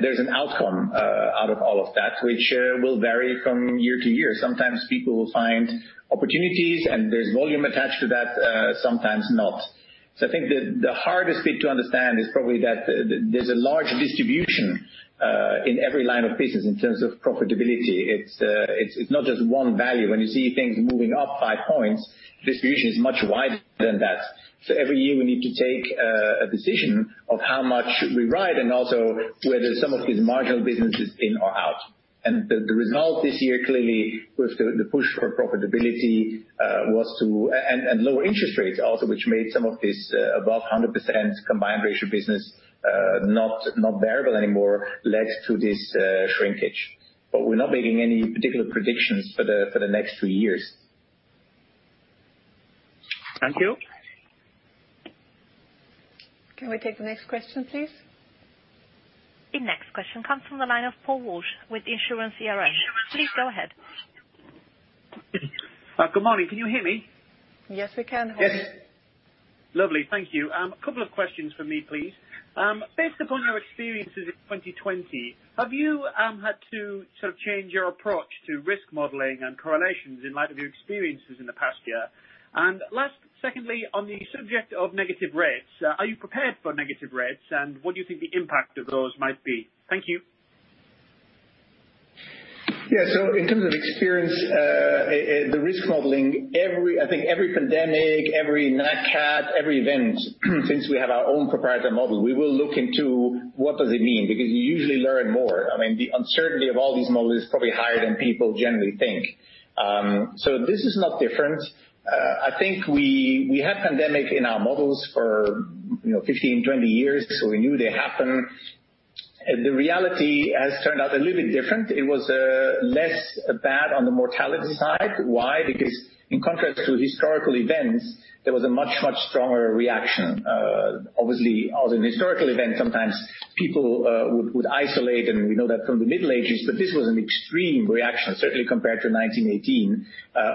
There's an outcome out of all of that, which will vary from year-to-year. Sometimes people will find opportunities and there's volume attached to that, sometimes not. I think the hardest bit to understand is probably that there's a large distribution, in every line of business in terms of profitability. It's not just one value. When you see things moving up five points, distribution is much wider than that. Every year we need to take a decision of how much we write and also whether some of these marginal businesses in or out. The result this year clearly was the push for profitability, and lower interest rates also, which made some of this above 100% combined ratio business not bearable anymore, led to this shrinkage. We're not making any particular predictions for the next three years. Thank you. Can we take the next question, please? The next question comes from the line of Paul Walsh with The Insurer. Please go ahead. Good morning. Can you hear me? Yes, we can. Yes. Lovely. Thank you. Couple of questions from me, please. Based upon our experiences in 2020, have you had to sort of change your approach to risk modeling and correlations in light of your experiences in the past year? Last, secondly, on the subject of negative rates, are you prepared for negative rates, and what do you think the impact of those might be? Thank you. Yeah. In terms of experience, the risk modeling, I think every pandemic, every Nat Cat, every event, since we have our own proprietary model, we will look into what does it mean, because you usually learn more. The uncertainty of all these models is probably higher than people generally think. This is not different. I think we had pandemic in our models for 15, 20 years, we knew they happen. The reality has turned out a little bit different. It was less bad on the mortality side. Why? Because in contrast to historical events, there was a much, much stronger reaction. Obviously, other than historical events, sometimes people would isolate, and we know that from the Middle Ages. This was an extreme reaction, certainly compared to 1918,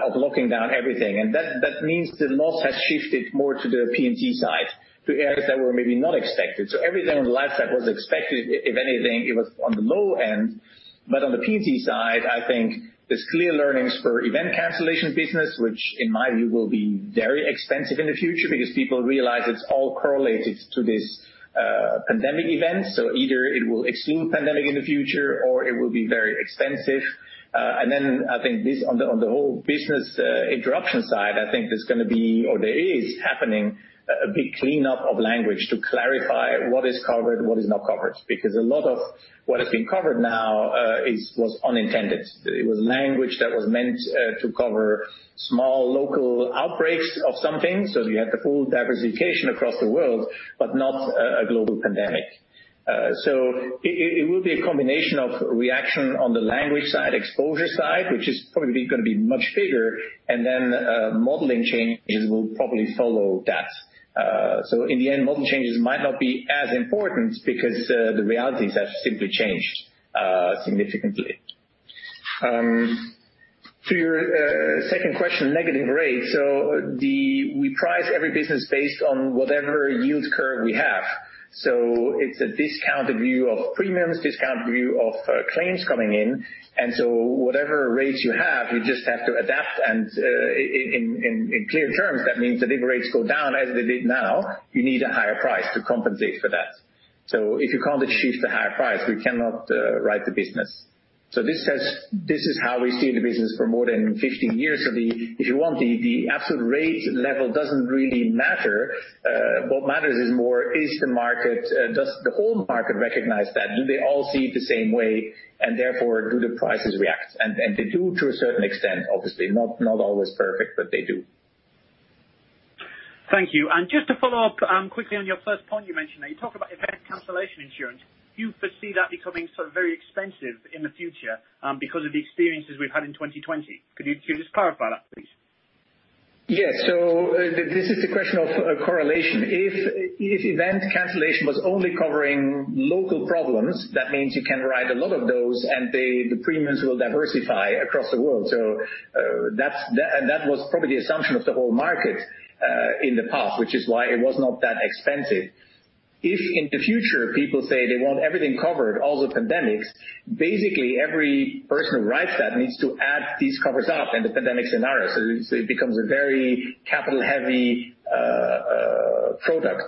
of locking down everything. That means the loss has shifted more to the P&C side, to areas that were maybe not expected. Everything on the left side was expected. If anything, it was on the low end. On the P&C side, I think there's clear learnings for event cancellation business, which in my view will be very expensive in the future because people realize it's all correlated to this pandemic event. Either it will exclude pandemic in the future or it will be very expensive. I think on the whole business interruption side, I think there's going to be, or there is happening a big cleanup of language to clarify what is covered, what is not covered, because a lot of what has been covered now was unintended. It was language that was meant to cover small local outbreaks of something. You had the full diversification across the world, but not a global pandemic. It will be a combination of reaction on the language side, exposure side, which is probably going to be much bigger. Then modeling changes will probably follow that. In the end, modeling changes might not be as important because the realities have simply changed significantly. To your second question, negative rates. We price every business based on whatever yields curve we have. It's a discounted view of premiums, discounted view of claims coming in. Whatever rates you have, you just have to adapt. In clear terms, that means the LIBOR rates go down as they did now, you need a higher price to compensate for that. If you can't achieve the higher price, we cannot write the business. This is how we see the business for more than 15 years. If you want the absolute rate level doesn't really matter. What matters is more, does the whole market recognize that? Do they all see it the same way, and therefore do the prices react? They do to a certain extent, obviously, not always perfect, but they do. Thank you. Just to follow up quickly on your first point you mentioned there, you talk about event cancellation insurance. Do you foresee that becoming sort of very expensive in the future because of the experiences we've had in 2020? Could you just clarify that, please? Yes. This is the question of correlation. If event cancellation was only covering local problems, that means you can write a lot of those and the premiums will diversify across the world. That was probably the assumption of the whole market in the past, which is why it was not that expensive. If in the future people say they want everything covered, all the pandemics, basically, every person who writes that needs to add these covers up in the pandemic scenario. It becomes a very capital-heavy product.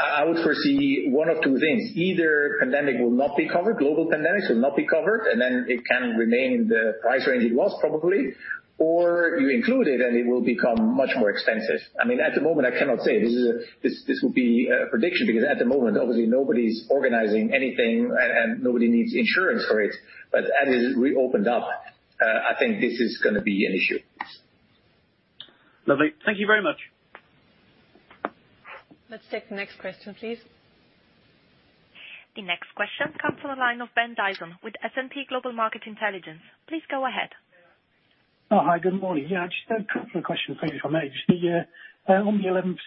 I would foresee one of two things, either pandemic will not be covered, global pandemics will not be covered, and then it can remain the price range it was probably, or you include it, and it will become much more expensive. At the moment, I cannot say. This would be a prediction, because at the moment, obviously, nobody's organizing anything, and nobody needs insurance for it. As we opened up, I think this is going to be an issue. Lovely. Thank you very much. Let's take the next question, please. The next question comes from the line of Ben Dyson with S&P Global Market Intelligence. Please go ahead. Oh, hi. Good morning. Just a couple of questions for you, if I may. Just on the 11%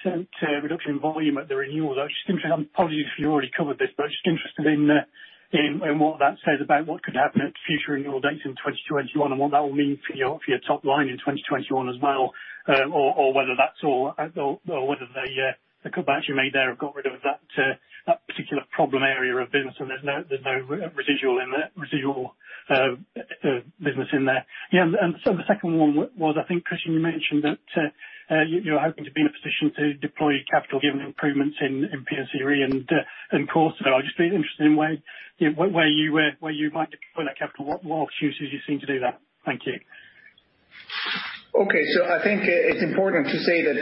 reduction in volume at the renewal, though, I'm apologies if you already covered this, but just interested in what that says about what could happen at future renewal dates in 2021 and what that will mean for your top line in 2021 as well, or whether the cutbacks you made there have got rid of that particular problem area of business, and there's no residual business in there. The second one was, I think, Christian, you mentioned that you're hoping to be in a position to deploy capital given improvements in P&C Re and CorSo. I'll just be interested in where you might deploy that capital. What choices you seem to do that? Thank you. I think it's important to say that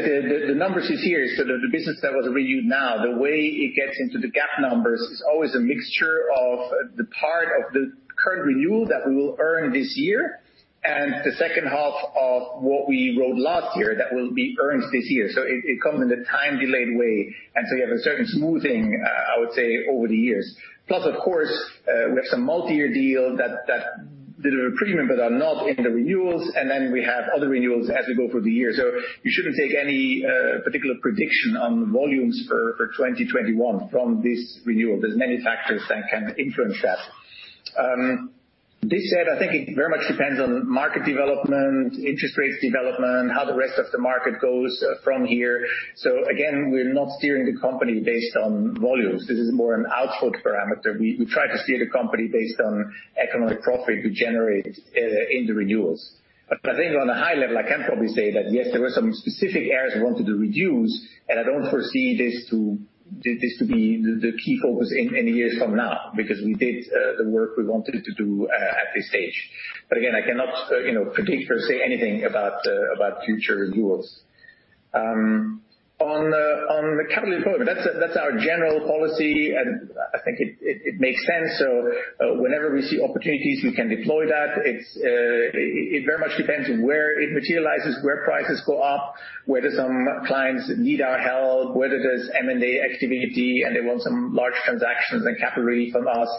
the numbers this year, the business that was renewed now, the way it gets into the GAAP numbers is always a mixture of the part of the current renewal that we will earn this year and the second half of what we wrote last year that will be earned this year. It comes in a time-delayed way, you have a certain smoothing, I would say, over the years. Of course, we have some multi-year deal that deliver premium but are not in the renewals, we have other renewals as we go through the year. You shouldn't take any particular prediction on volumes for 2021 from this renewal. There's many factors that can influence that. This said, I think it very much depends on market development, interest rates development, how the rest of the market goes from here. Again, we're not steering the company based on volumes. This is more an output parameter. We try to steer the company based on economic profit we generate in the renewals. I think on a high level, I can probably say that, yes, there were some specific areas we wanted to reduce, and I don't foresee this to be the key focus in years from now, because we did the work we wanted to do at this stage. Again, I cannot predict or say anything about future renewals. On the capital deployment, that's our general policy, and I think it makes sense. Whenever we see opportunities, we can deploy that. It very much depends where it materializes, where prices go up, whether some clients need our help, whether there's M&A activity, and they want some large transactions and capital really from us.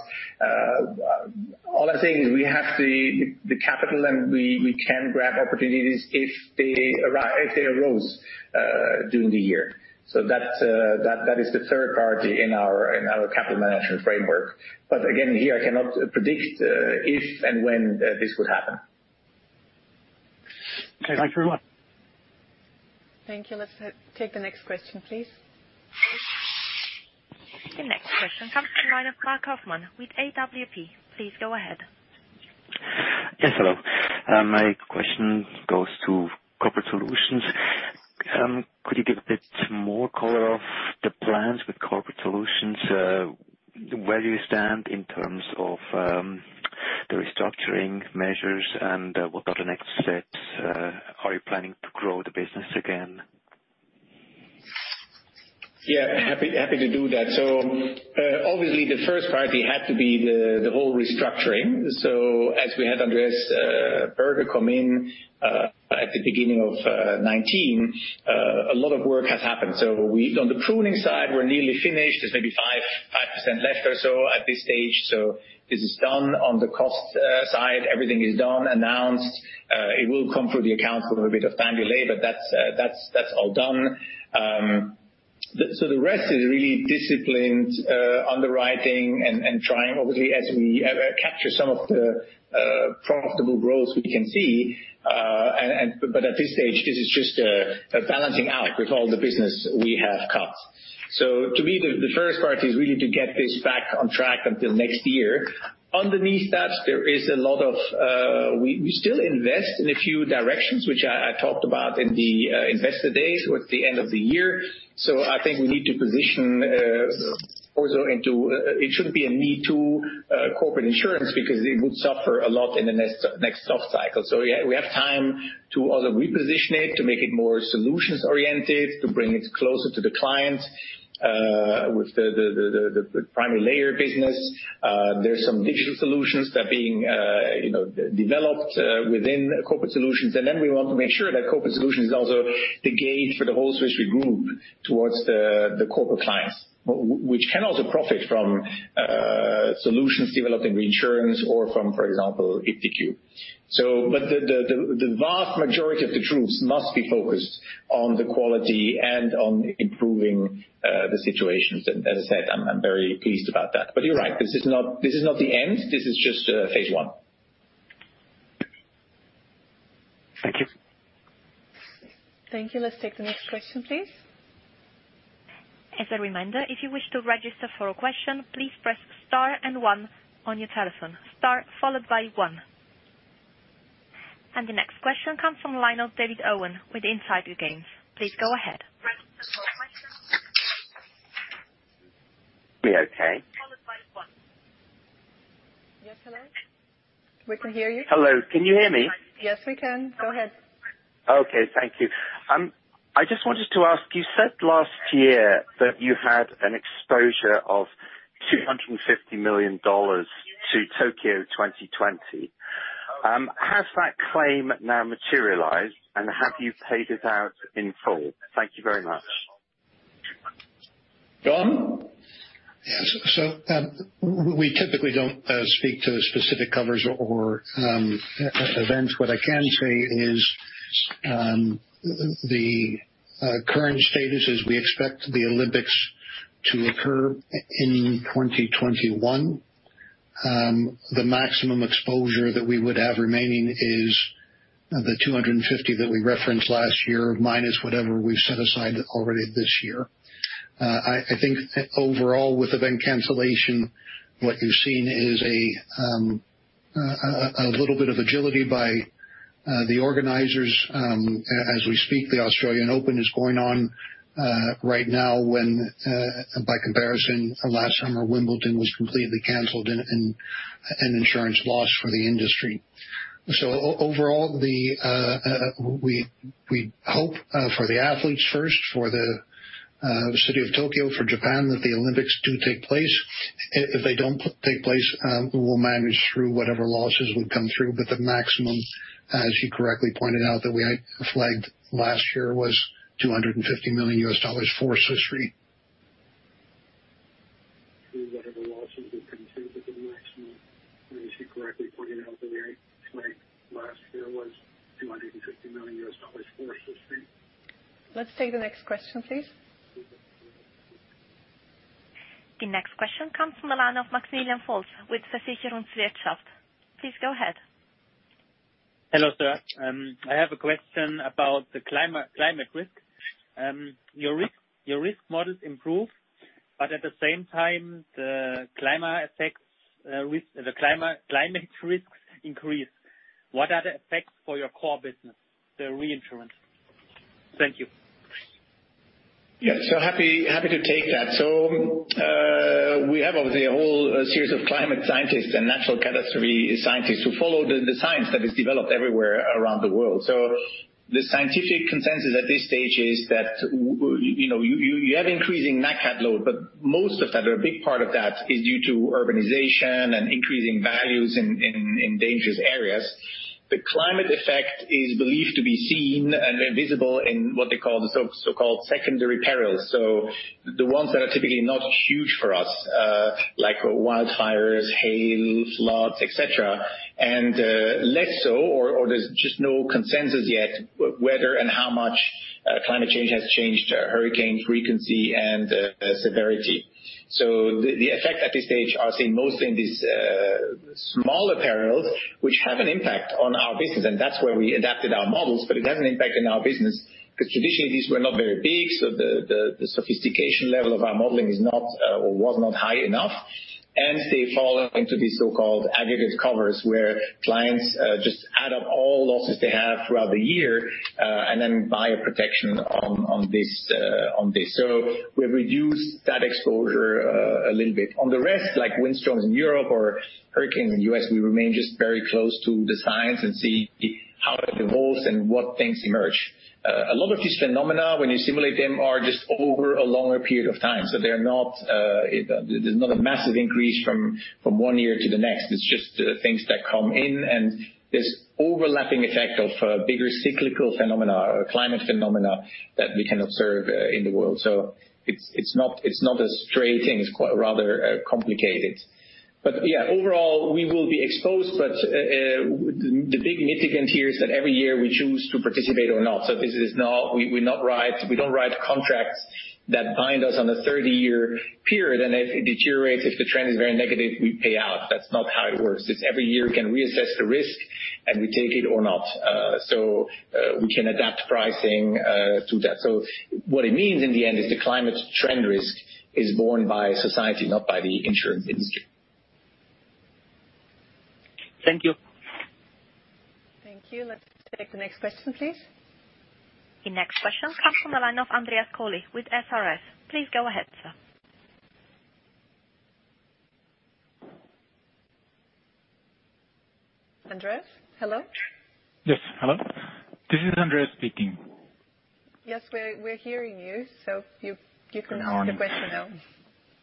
All I'm saying is we have the capital, and we can grab opportunities if they arose during the year. That is the third priority in our capital management framework. Again, here, I cannot predict if and when this would happen. Okay. Thanks very much. Thank you. Let's take the next question, please. The next question comes from the line of Mark Hofmann with AWP. Please go ahead. Yes, hello. My question goes to Corporate Solutions. Could you give a bit more color of the plans with Corporate Solutions, where you stand in terms of the restructuring measures, and what are the next steps? Are you planning to grow the business again? Yeah, happy to do that. Obviously the first priority had to be the whole restructuring. As we had Andreas Berger come in at the beginning of 2019, a lot of work has happened. On the pruning side, we're nearly finished. There's maybe 5% left or so at this stage. This is done. On the cost side, everything is done, announced. It will come through the accounts with a bit of time delay, but that's all done. The rest is really disciplined underwriting and trying, obviously, as we capture some of the profitable growth we can see. At this stage, this is just a balancing out with all the business we have cut. To me, the first priority is really to get this back on track until next year. Underneath that, we still invest in a few directions, which I talked about in the investor days towards the end of the year. I think we need to position also it shouldn't be a me too corporate insurance, because it would suffer a lot in the next soft cycle. We have time to also reposition it, to make it more solutions-oriented, to bring it closer to the client with the primary layer business. There's some digital solutions that are being developed within Corporate Solutions, we want to make sure that Corporate Solutions is also the gate for the whole Swiss Re group towards the corporate clients, which can also profit from solutions developed in reinsurance or from, for example, iptiQ. The vast majority of the troops must be focused on the quality and on improving the situations. As I said, I'm very pleased about that. You're right. This is not the end. This is just phase I. Thank you. Thank you. Let's take the next question, please. As a reminder, if you wish to register for a question, please press star and one on your telephone. Star followed by one. The next question comes from the line of David Owen with The Insurer. Please go ahead. Okay. Yes, hello. We can hear you. Hello. Can you hear me? Yes, we can. Go ahead. Okay, thank you. I just wanted to ask, you said last year that you had an exposure of $250 million to Tokyo 2020. Has that claim now materialized, and have you paid it out in full? Thank you very much. John? Yes. We typically don't speak to the specific covers or events. What I can say is, the current status is we expect the Olympics to occur in 2021. The maximum exposure that we would have remaining is the $250 that we referenced last year, minus whatever we've set aside already this year. I think overall, with event cancellation, what you've seen is a little bit of agility by the organizers. As we speak, the Australian Open is going on right now, when by comparison, last summer Wimbledon was completely canceled and an insurance loss for the industry. Overall, we hope for the athletes first, for the city of Tokyo, for Japan, that the Olympics do take place. If they don't take place, we will manage through whatever losses would come through, but the maximum, as you correctly pointed out that we had flagged last year, was $250 million for Swiss Re. Let's take the next question, please. The next question comes from the line of Maximilian Volz with Versicherungswirtschaft. Please go ahead. Hello, sir. I have a question about the climate risk. Your risk models improve, but at the same time, the climate risks increase. What are the effects for your core business, the reinsurance? Thank you. Yeah, happy to take that. We have obviously a whole series of climate scientists and natural catastrophe scientists who follow the science that is developed everywhere around the world. The scientific consensus at this stage is that you have increasing Nat Cat load, but most of that or a big part of that is due to urbanization and increasing values in dangerous areas. The climate effect is believed to be seen and visible in what they call the so-called secondary perils. The ones that are typically not huge for us, like wildfires, hail, floods, et cetera. Less so or there's just no consensus yet whether and how much climate change has changed hurricane frequency and severity. The effect at this stage are seen mostly in these smaller perils, which have an impact on our business, and that's where we adapted our models, but it has an impact on our business, because traditionally, these were not very big. The sophistication level of our modeling is not or was not high enough. They fall into these so-called aggregate covers, where clients just add up all losses they have throughout the year, and then buy a protection on this. We've reduced that exposure a little bit. On the rest, like windstorms in Europe or hurricanes in the U.S., we remain just very close to the science and see how it evolves and what things emerge. A lot of these phenomena, when you simulate them, are just over a longer period of time. There's not a massive increase from one year to the next. It's just things that come in and this overlapping effect of bigger cyclical phenomena or climate phenomena that we can observe in the world. It's not a straight thing. It's rather complicated. Yeah, overall, we will be exposed, but the big mitigant here is that every year we choose to participate or not. We don't write contracts that bind us on a 30-year period, and if it deteriorates, if the trend is very negative, we pay out. That's not how it works. It's every year we can reassess the risk, and we take it or not. We can adapt pricing to that. What it means in the end is the climate trend risk is borne by society, not by the insurance industry. Thank you. Thank you. Let's take the next question, please. The next question comes from the line of Andreas Kohli with SRF. Please go ahead, sir. Andreas, hello? Yes, hello. This is Andreas speaking. Yes, we're hearing you, so you can ask the question now.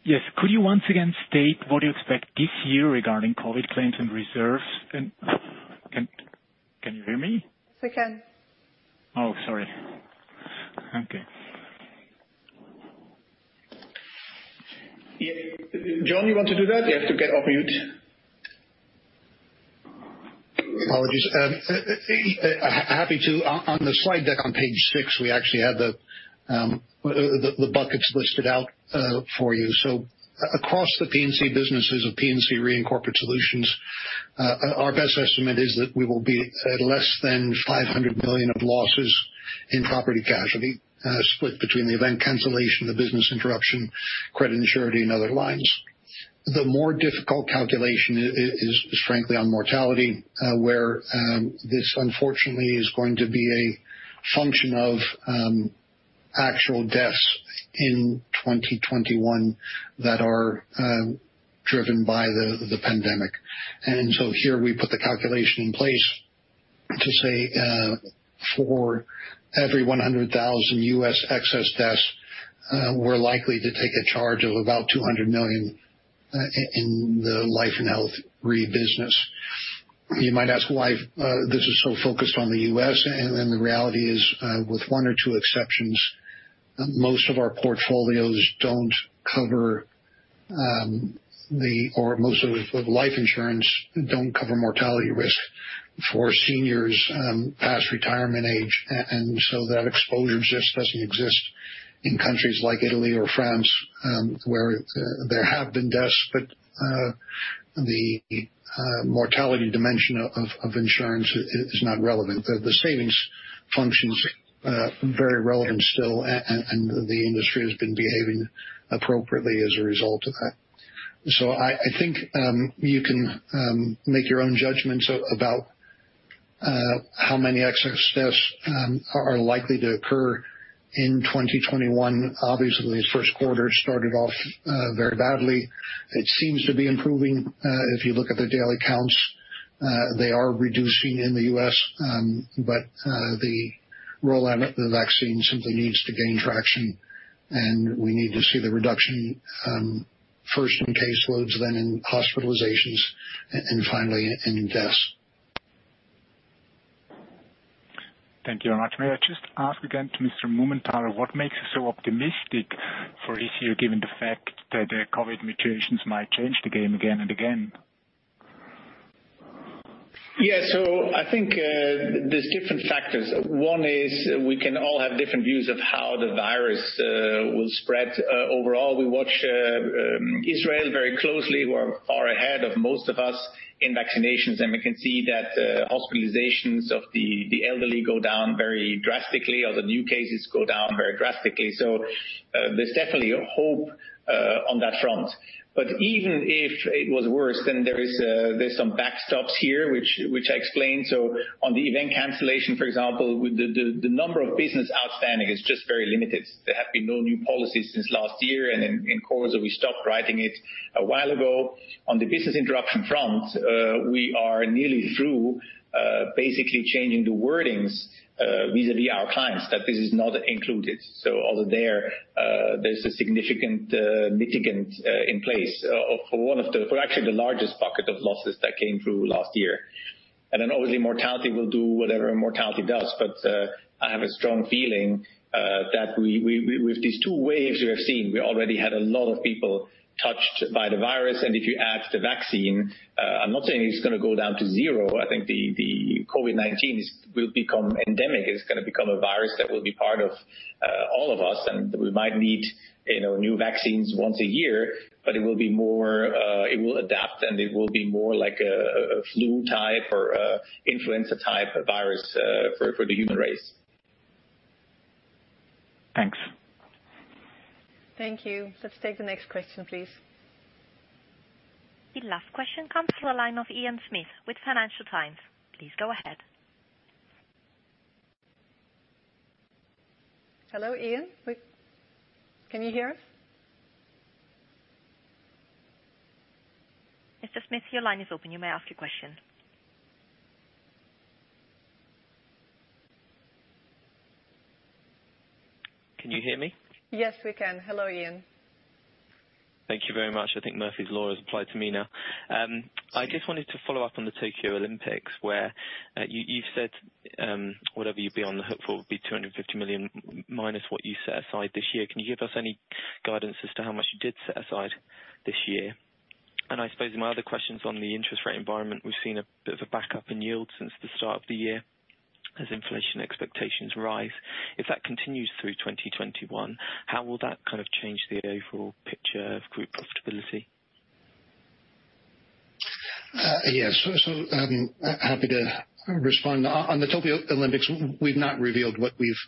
Yes. Could you once again state what you expect this year regarding COVID claims and reserves? Can you hear me? Yes, we can. Oh, sorry. Okay. Yeah. John, you want to do that? You have to get off mute. Apologies. Happy to. On the slide deck on page six, we actually had the buckets listed out for you. Across the P&C businesses of P&C Re Corporate Solutions, our best estimate is that we will be at less than $500 million of losses in property casualty, split between the event cancellation, the business interruption, credit and surety and other lines. The more difficult calculation is frankly on mortality, where this unfortunately is going to be a function of actual deaths in 2021 that are driven by the pandemic. Here we put the calculation in place to say, for every 100,000 U.S. excess deaths, we're likely to take a charge of about $200 million in the Life & Health Re business. You might ask why this is so focused on the U.S. The reality is, with one or two exceptions, most of life insurance don't cover mortality risk for seniors past retirement age. That exposure just doesn't exist in countries like Italy or France, where there have been deaths, but the mortality dimension of insurance is not relevant. The savings function's very relevant still. The industry has been behaving appropriately as a result of that. I think you can make your own judgments about how many excess deaths are likely to occur in 2021. Obviously, the first quarter started off very badly. It seems to be improving. If you look at the daily counts, they are reducing in the U.S. The rollout of the vaccine simply needs to gain traction, and we need to see the reduction, first in caseloads, then in hospitalizations, and finally in deaths. Thank you very much. May I just ask again to Mr. Mumenthaler, what makes you so optimistic for this year, given the fact that the COVID mutations might change the game again and again? I think there's different factors. One is we can all have different views of how the virus will spread. Overall, we watch Israel very closely, who are far ahead of most of us in vaccinations. We can see that hospitalizations of the elderly go down very drastically, or the new cases go down very drastically. There's definitely hope on that front. Even if it was worse, there's some backstops here, which I explained. On the event cancellation, for example, the number of business outstanding is just very limited. There have been no new policies since last year. In CorSo, we stopped writing it a while ago. On the business interruption front, we are nearly through basically changing the wordings vis-a-vis our clients that this is not included. Although there's a significant mitigant in place for actually the largest bucket of losses that came through last year. Then obviously mortality will do whatever mortality does. I have a strong feeling that with these two waves we have seen, we already had a lot of people touched by the virus. If you add the vaccine, I'm not saying it's going to go down to zero. I think the COVID-19 will become endemic. It's going to become a virus that will be part of all of us, and we might need new vaccines once a year. It will adapt, and it will be more like a flu type or influenza type virus for the human race. Thanks. Thank you. Let's take the next question, please. The last question comes to the line of Ian Smith with Financial Times. Please go ahead. Hello, Ian. Can you hear us? Mr. Smith, your line is open. You may ask your question. Can you hear me? Yes, we can. Hello, Ian. Thank you very much. I think Murphy's Law has applied to me now. I just wanted to follow up on the Tokyo Olympics, where you've said whatever you'd be on the hook for would be $250 million minus what you set aside this year. Can you give us any guidance as to how much you did set aside this year? I suppose my other question's on the interest rate environment. We've seen a bit of a backup in yield since the start of the year as inflation expectations rise. If that continues through 2021, how will that change the overall picture of group profitability? Yes. Happy to respond. On the Tokyo Olympics, we've not revealed what we've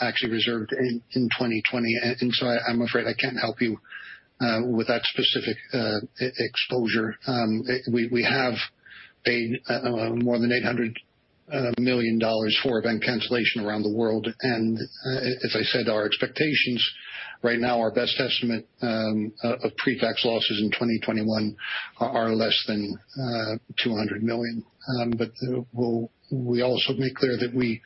actually reserved in 2020. I'm afraid I can't help you with that specific exposure. We have paid more than $800 million for event cancellation around the world. As I said, our expectations right now, our best estimate of pre-tax losses in 2021 are less than $200 million. We also make clear that we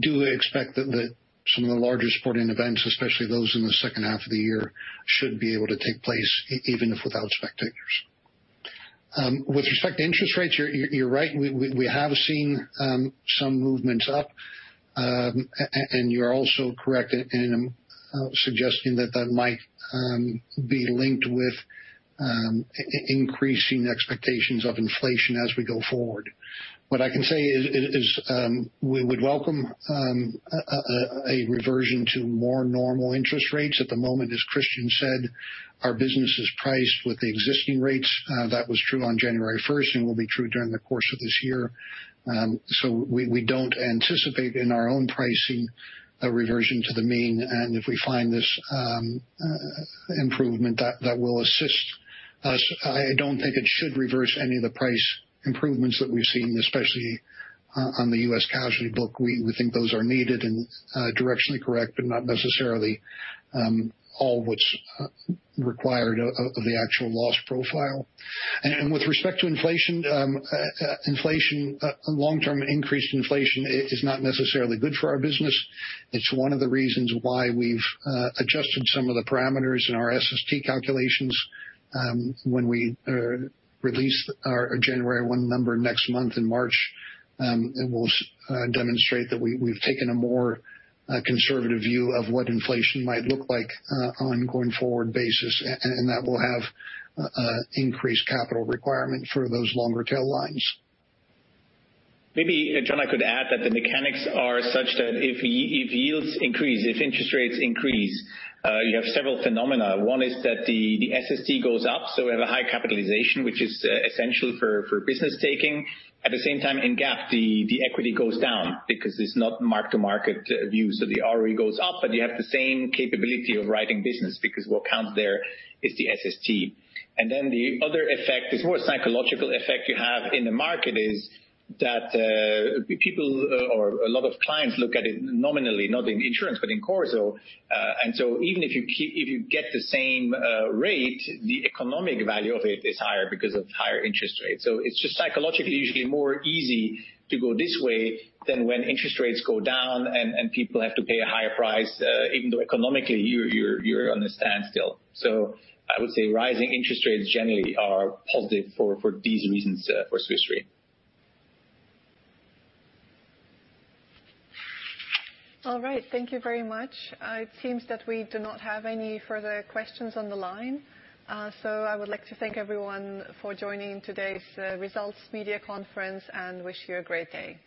do expect that some of the larger sporting events, especially those in the second half of the year, should be able to take place, even if without spectators. With respect to interest rates, you're right. We have seen some movements up. You're also correct in suggesting that that might be linked with increasing expectations of inflation as we go forward. What I can say is we would welcome a reversion to more normal interest rates. At the moment, as Christian said, our business is priced with the existing rates. That was true on January 1st and will be true during the course of this year. We don't anticipate in our own pricing a reversion to the mean, and if we find this improvement, that will assist us. I don't think it should reverse any of the price improvements that we've seen, especially on the U.S. casualty book. We think those are needed and directionally correct, but not necessarily all what's required of the actual loss profile. With respect to inflation, long-term increased inflation is not necessarily good for our business. It's one of the reasons why we've adjusted some of the parameters in our SST calculations. When we release our January 1 number next month in March, it will demonstrate that we've taken a more conservative view of what inflation might look like on a going forward basis, and that will have increased capital requirement for those longer tail lines. Maybe, John, I could add that the mechanics are such that if yields increase, if interest rates increase, you have several phenomena. One is that the SST goes up, so we have a high capitalization, which is essential for business taking. At the same time, in GAAP, the equity goes down because it's not mark-to-market view. The ROE goes up, but you have the same capability of writing business, because what counts there is the SST. The other effect is more a psychological effect you have in the market is that people or a lot of clients look at it nominally, not in insurance, but in CorSo. Even if you get the same rate, the economic value of it is higher because of higher interest rates. It's just psychologically usually more easy to go this way than when interest rates go down and people have to pay a higher price, even though economically, you're on a standstill. I would say rising interest rates generally are positive for these reasons for Swiss Re. All right. Thank you very much. It seems that we do not have any further questions on the line. I would like to thank everyone for joining today's results media conference and wish you a great day.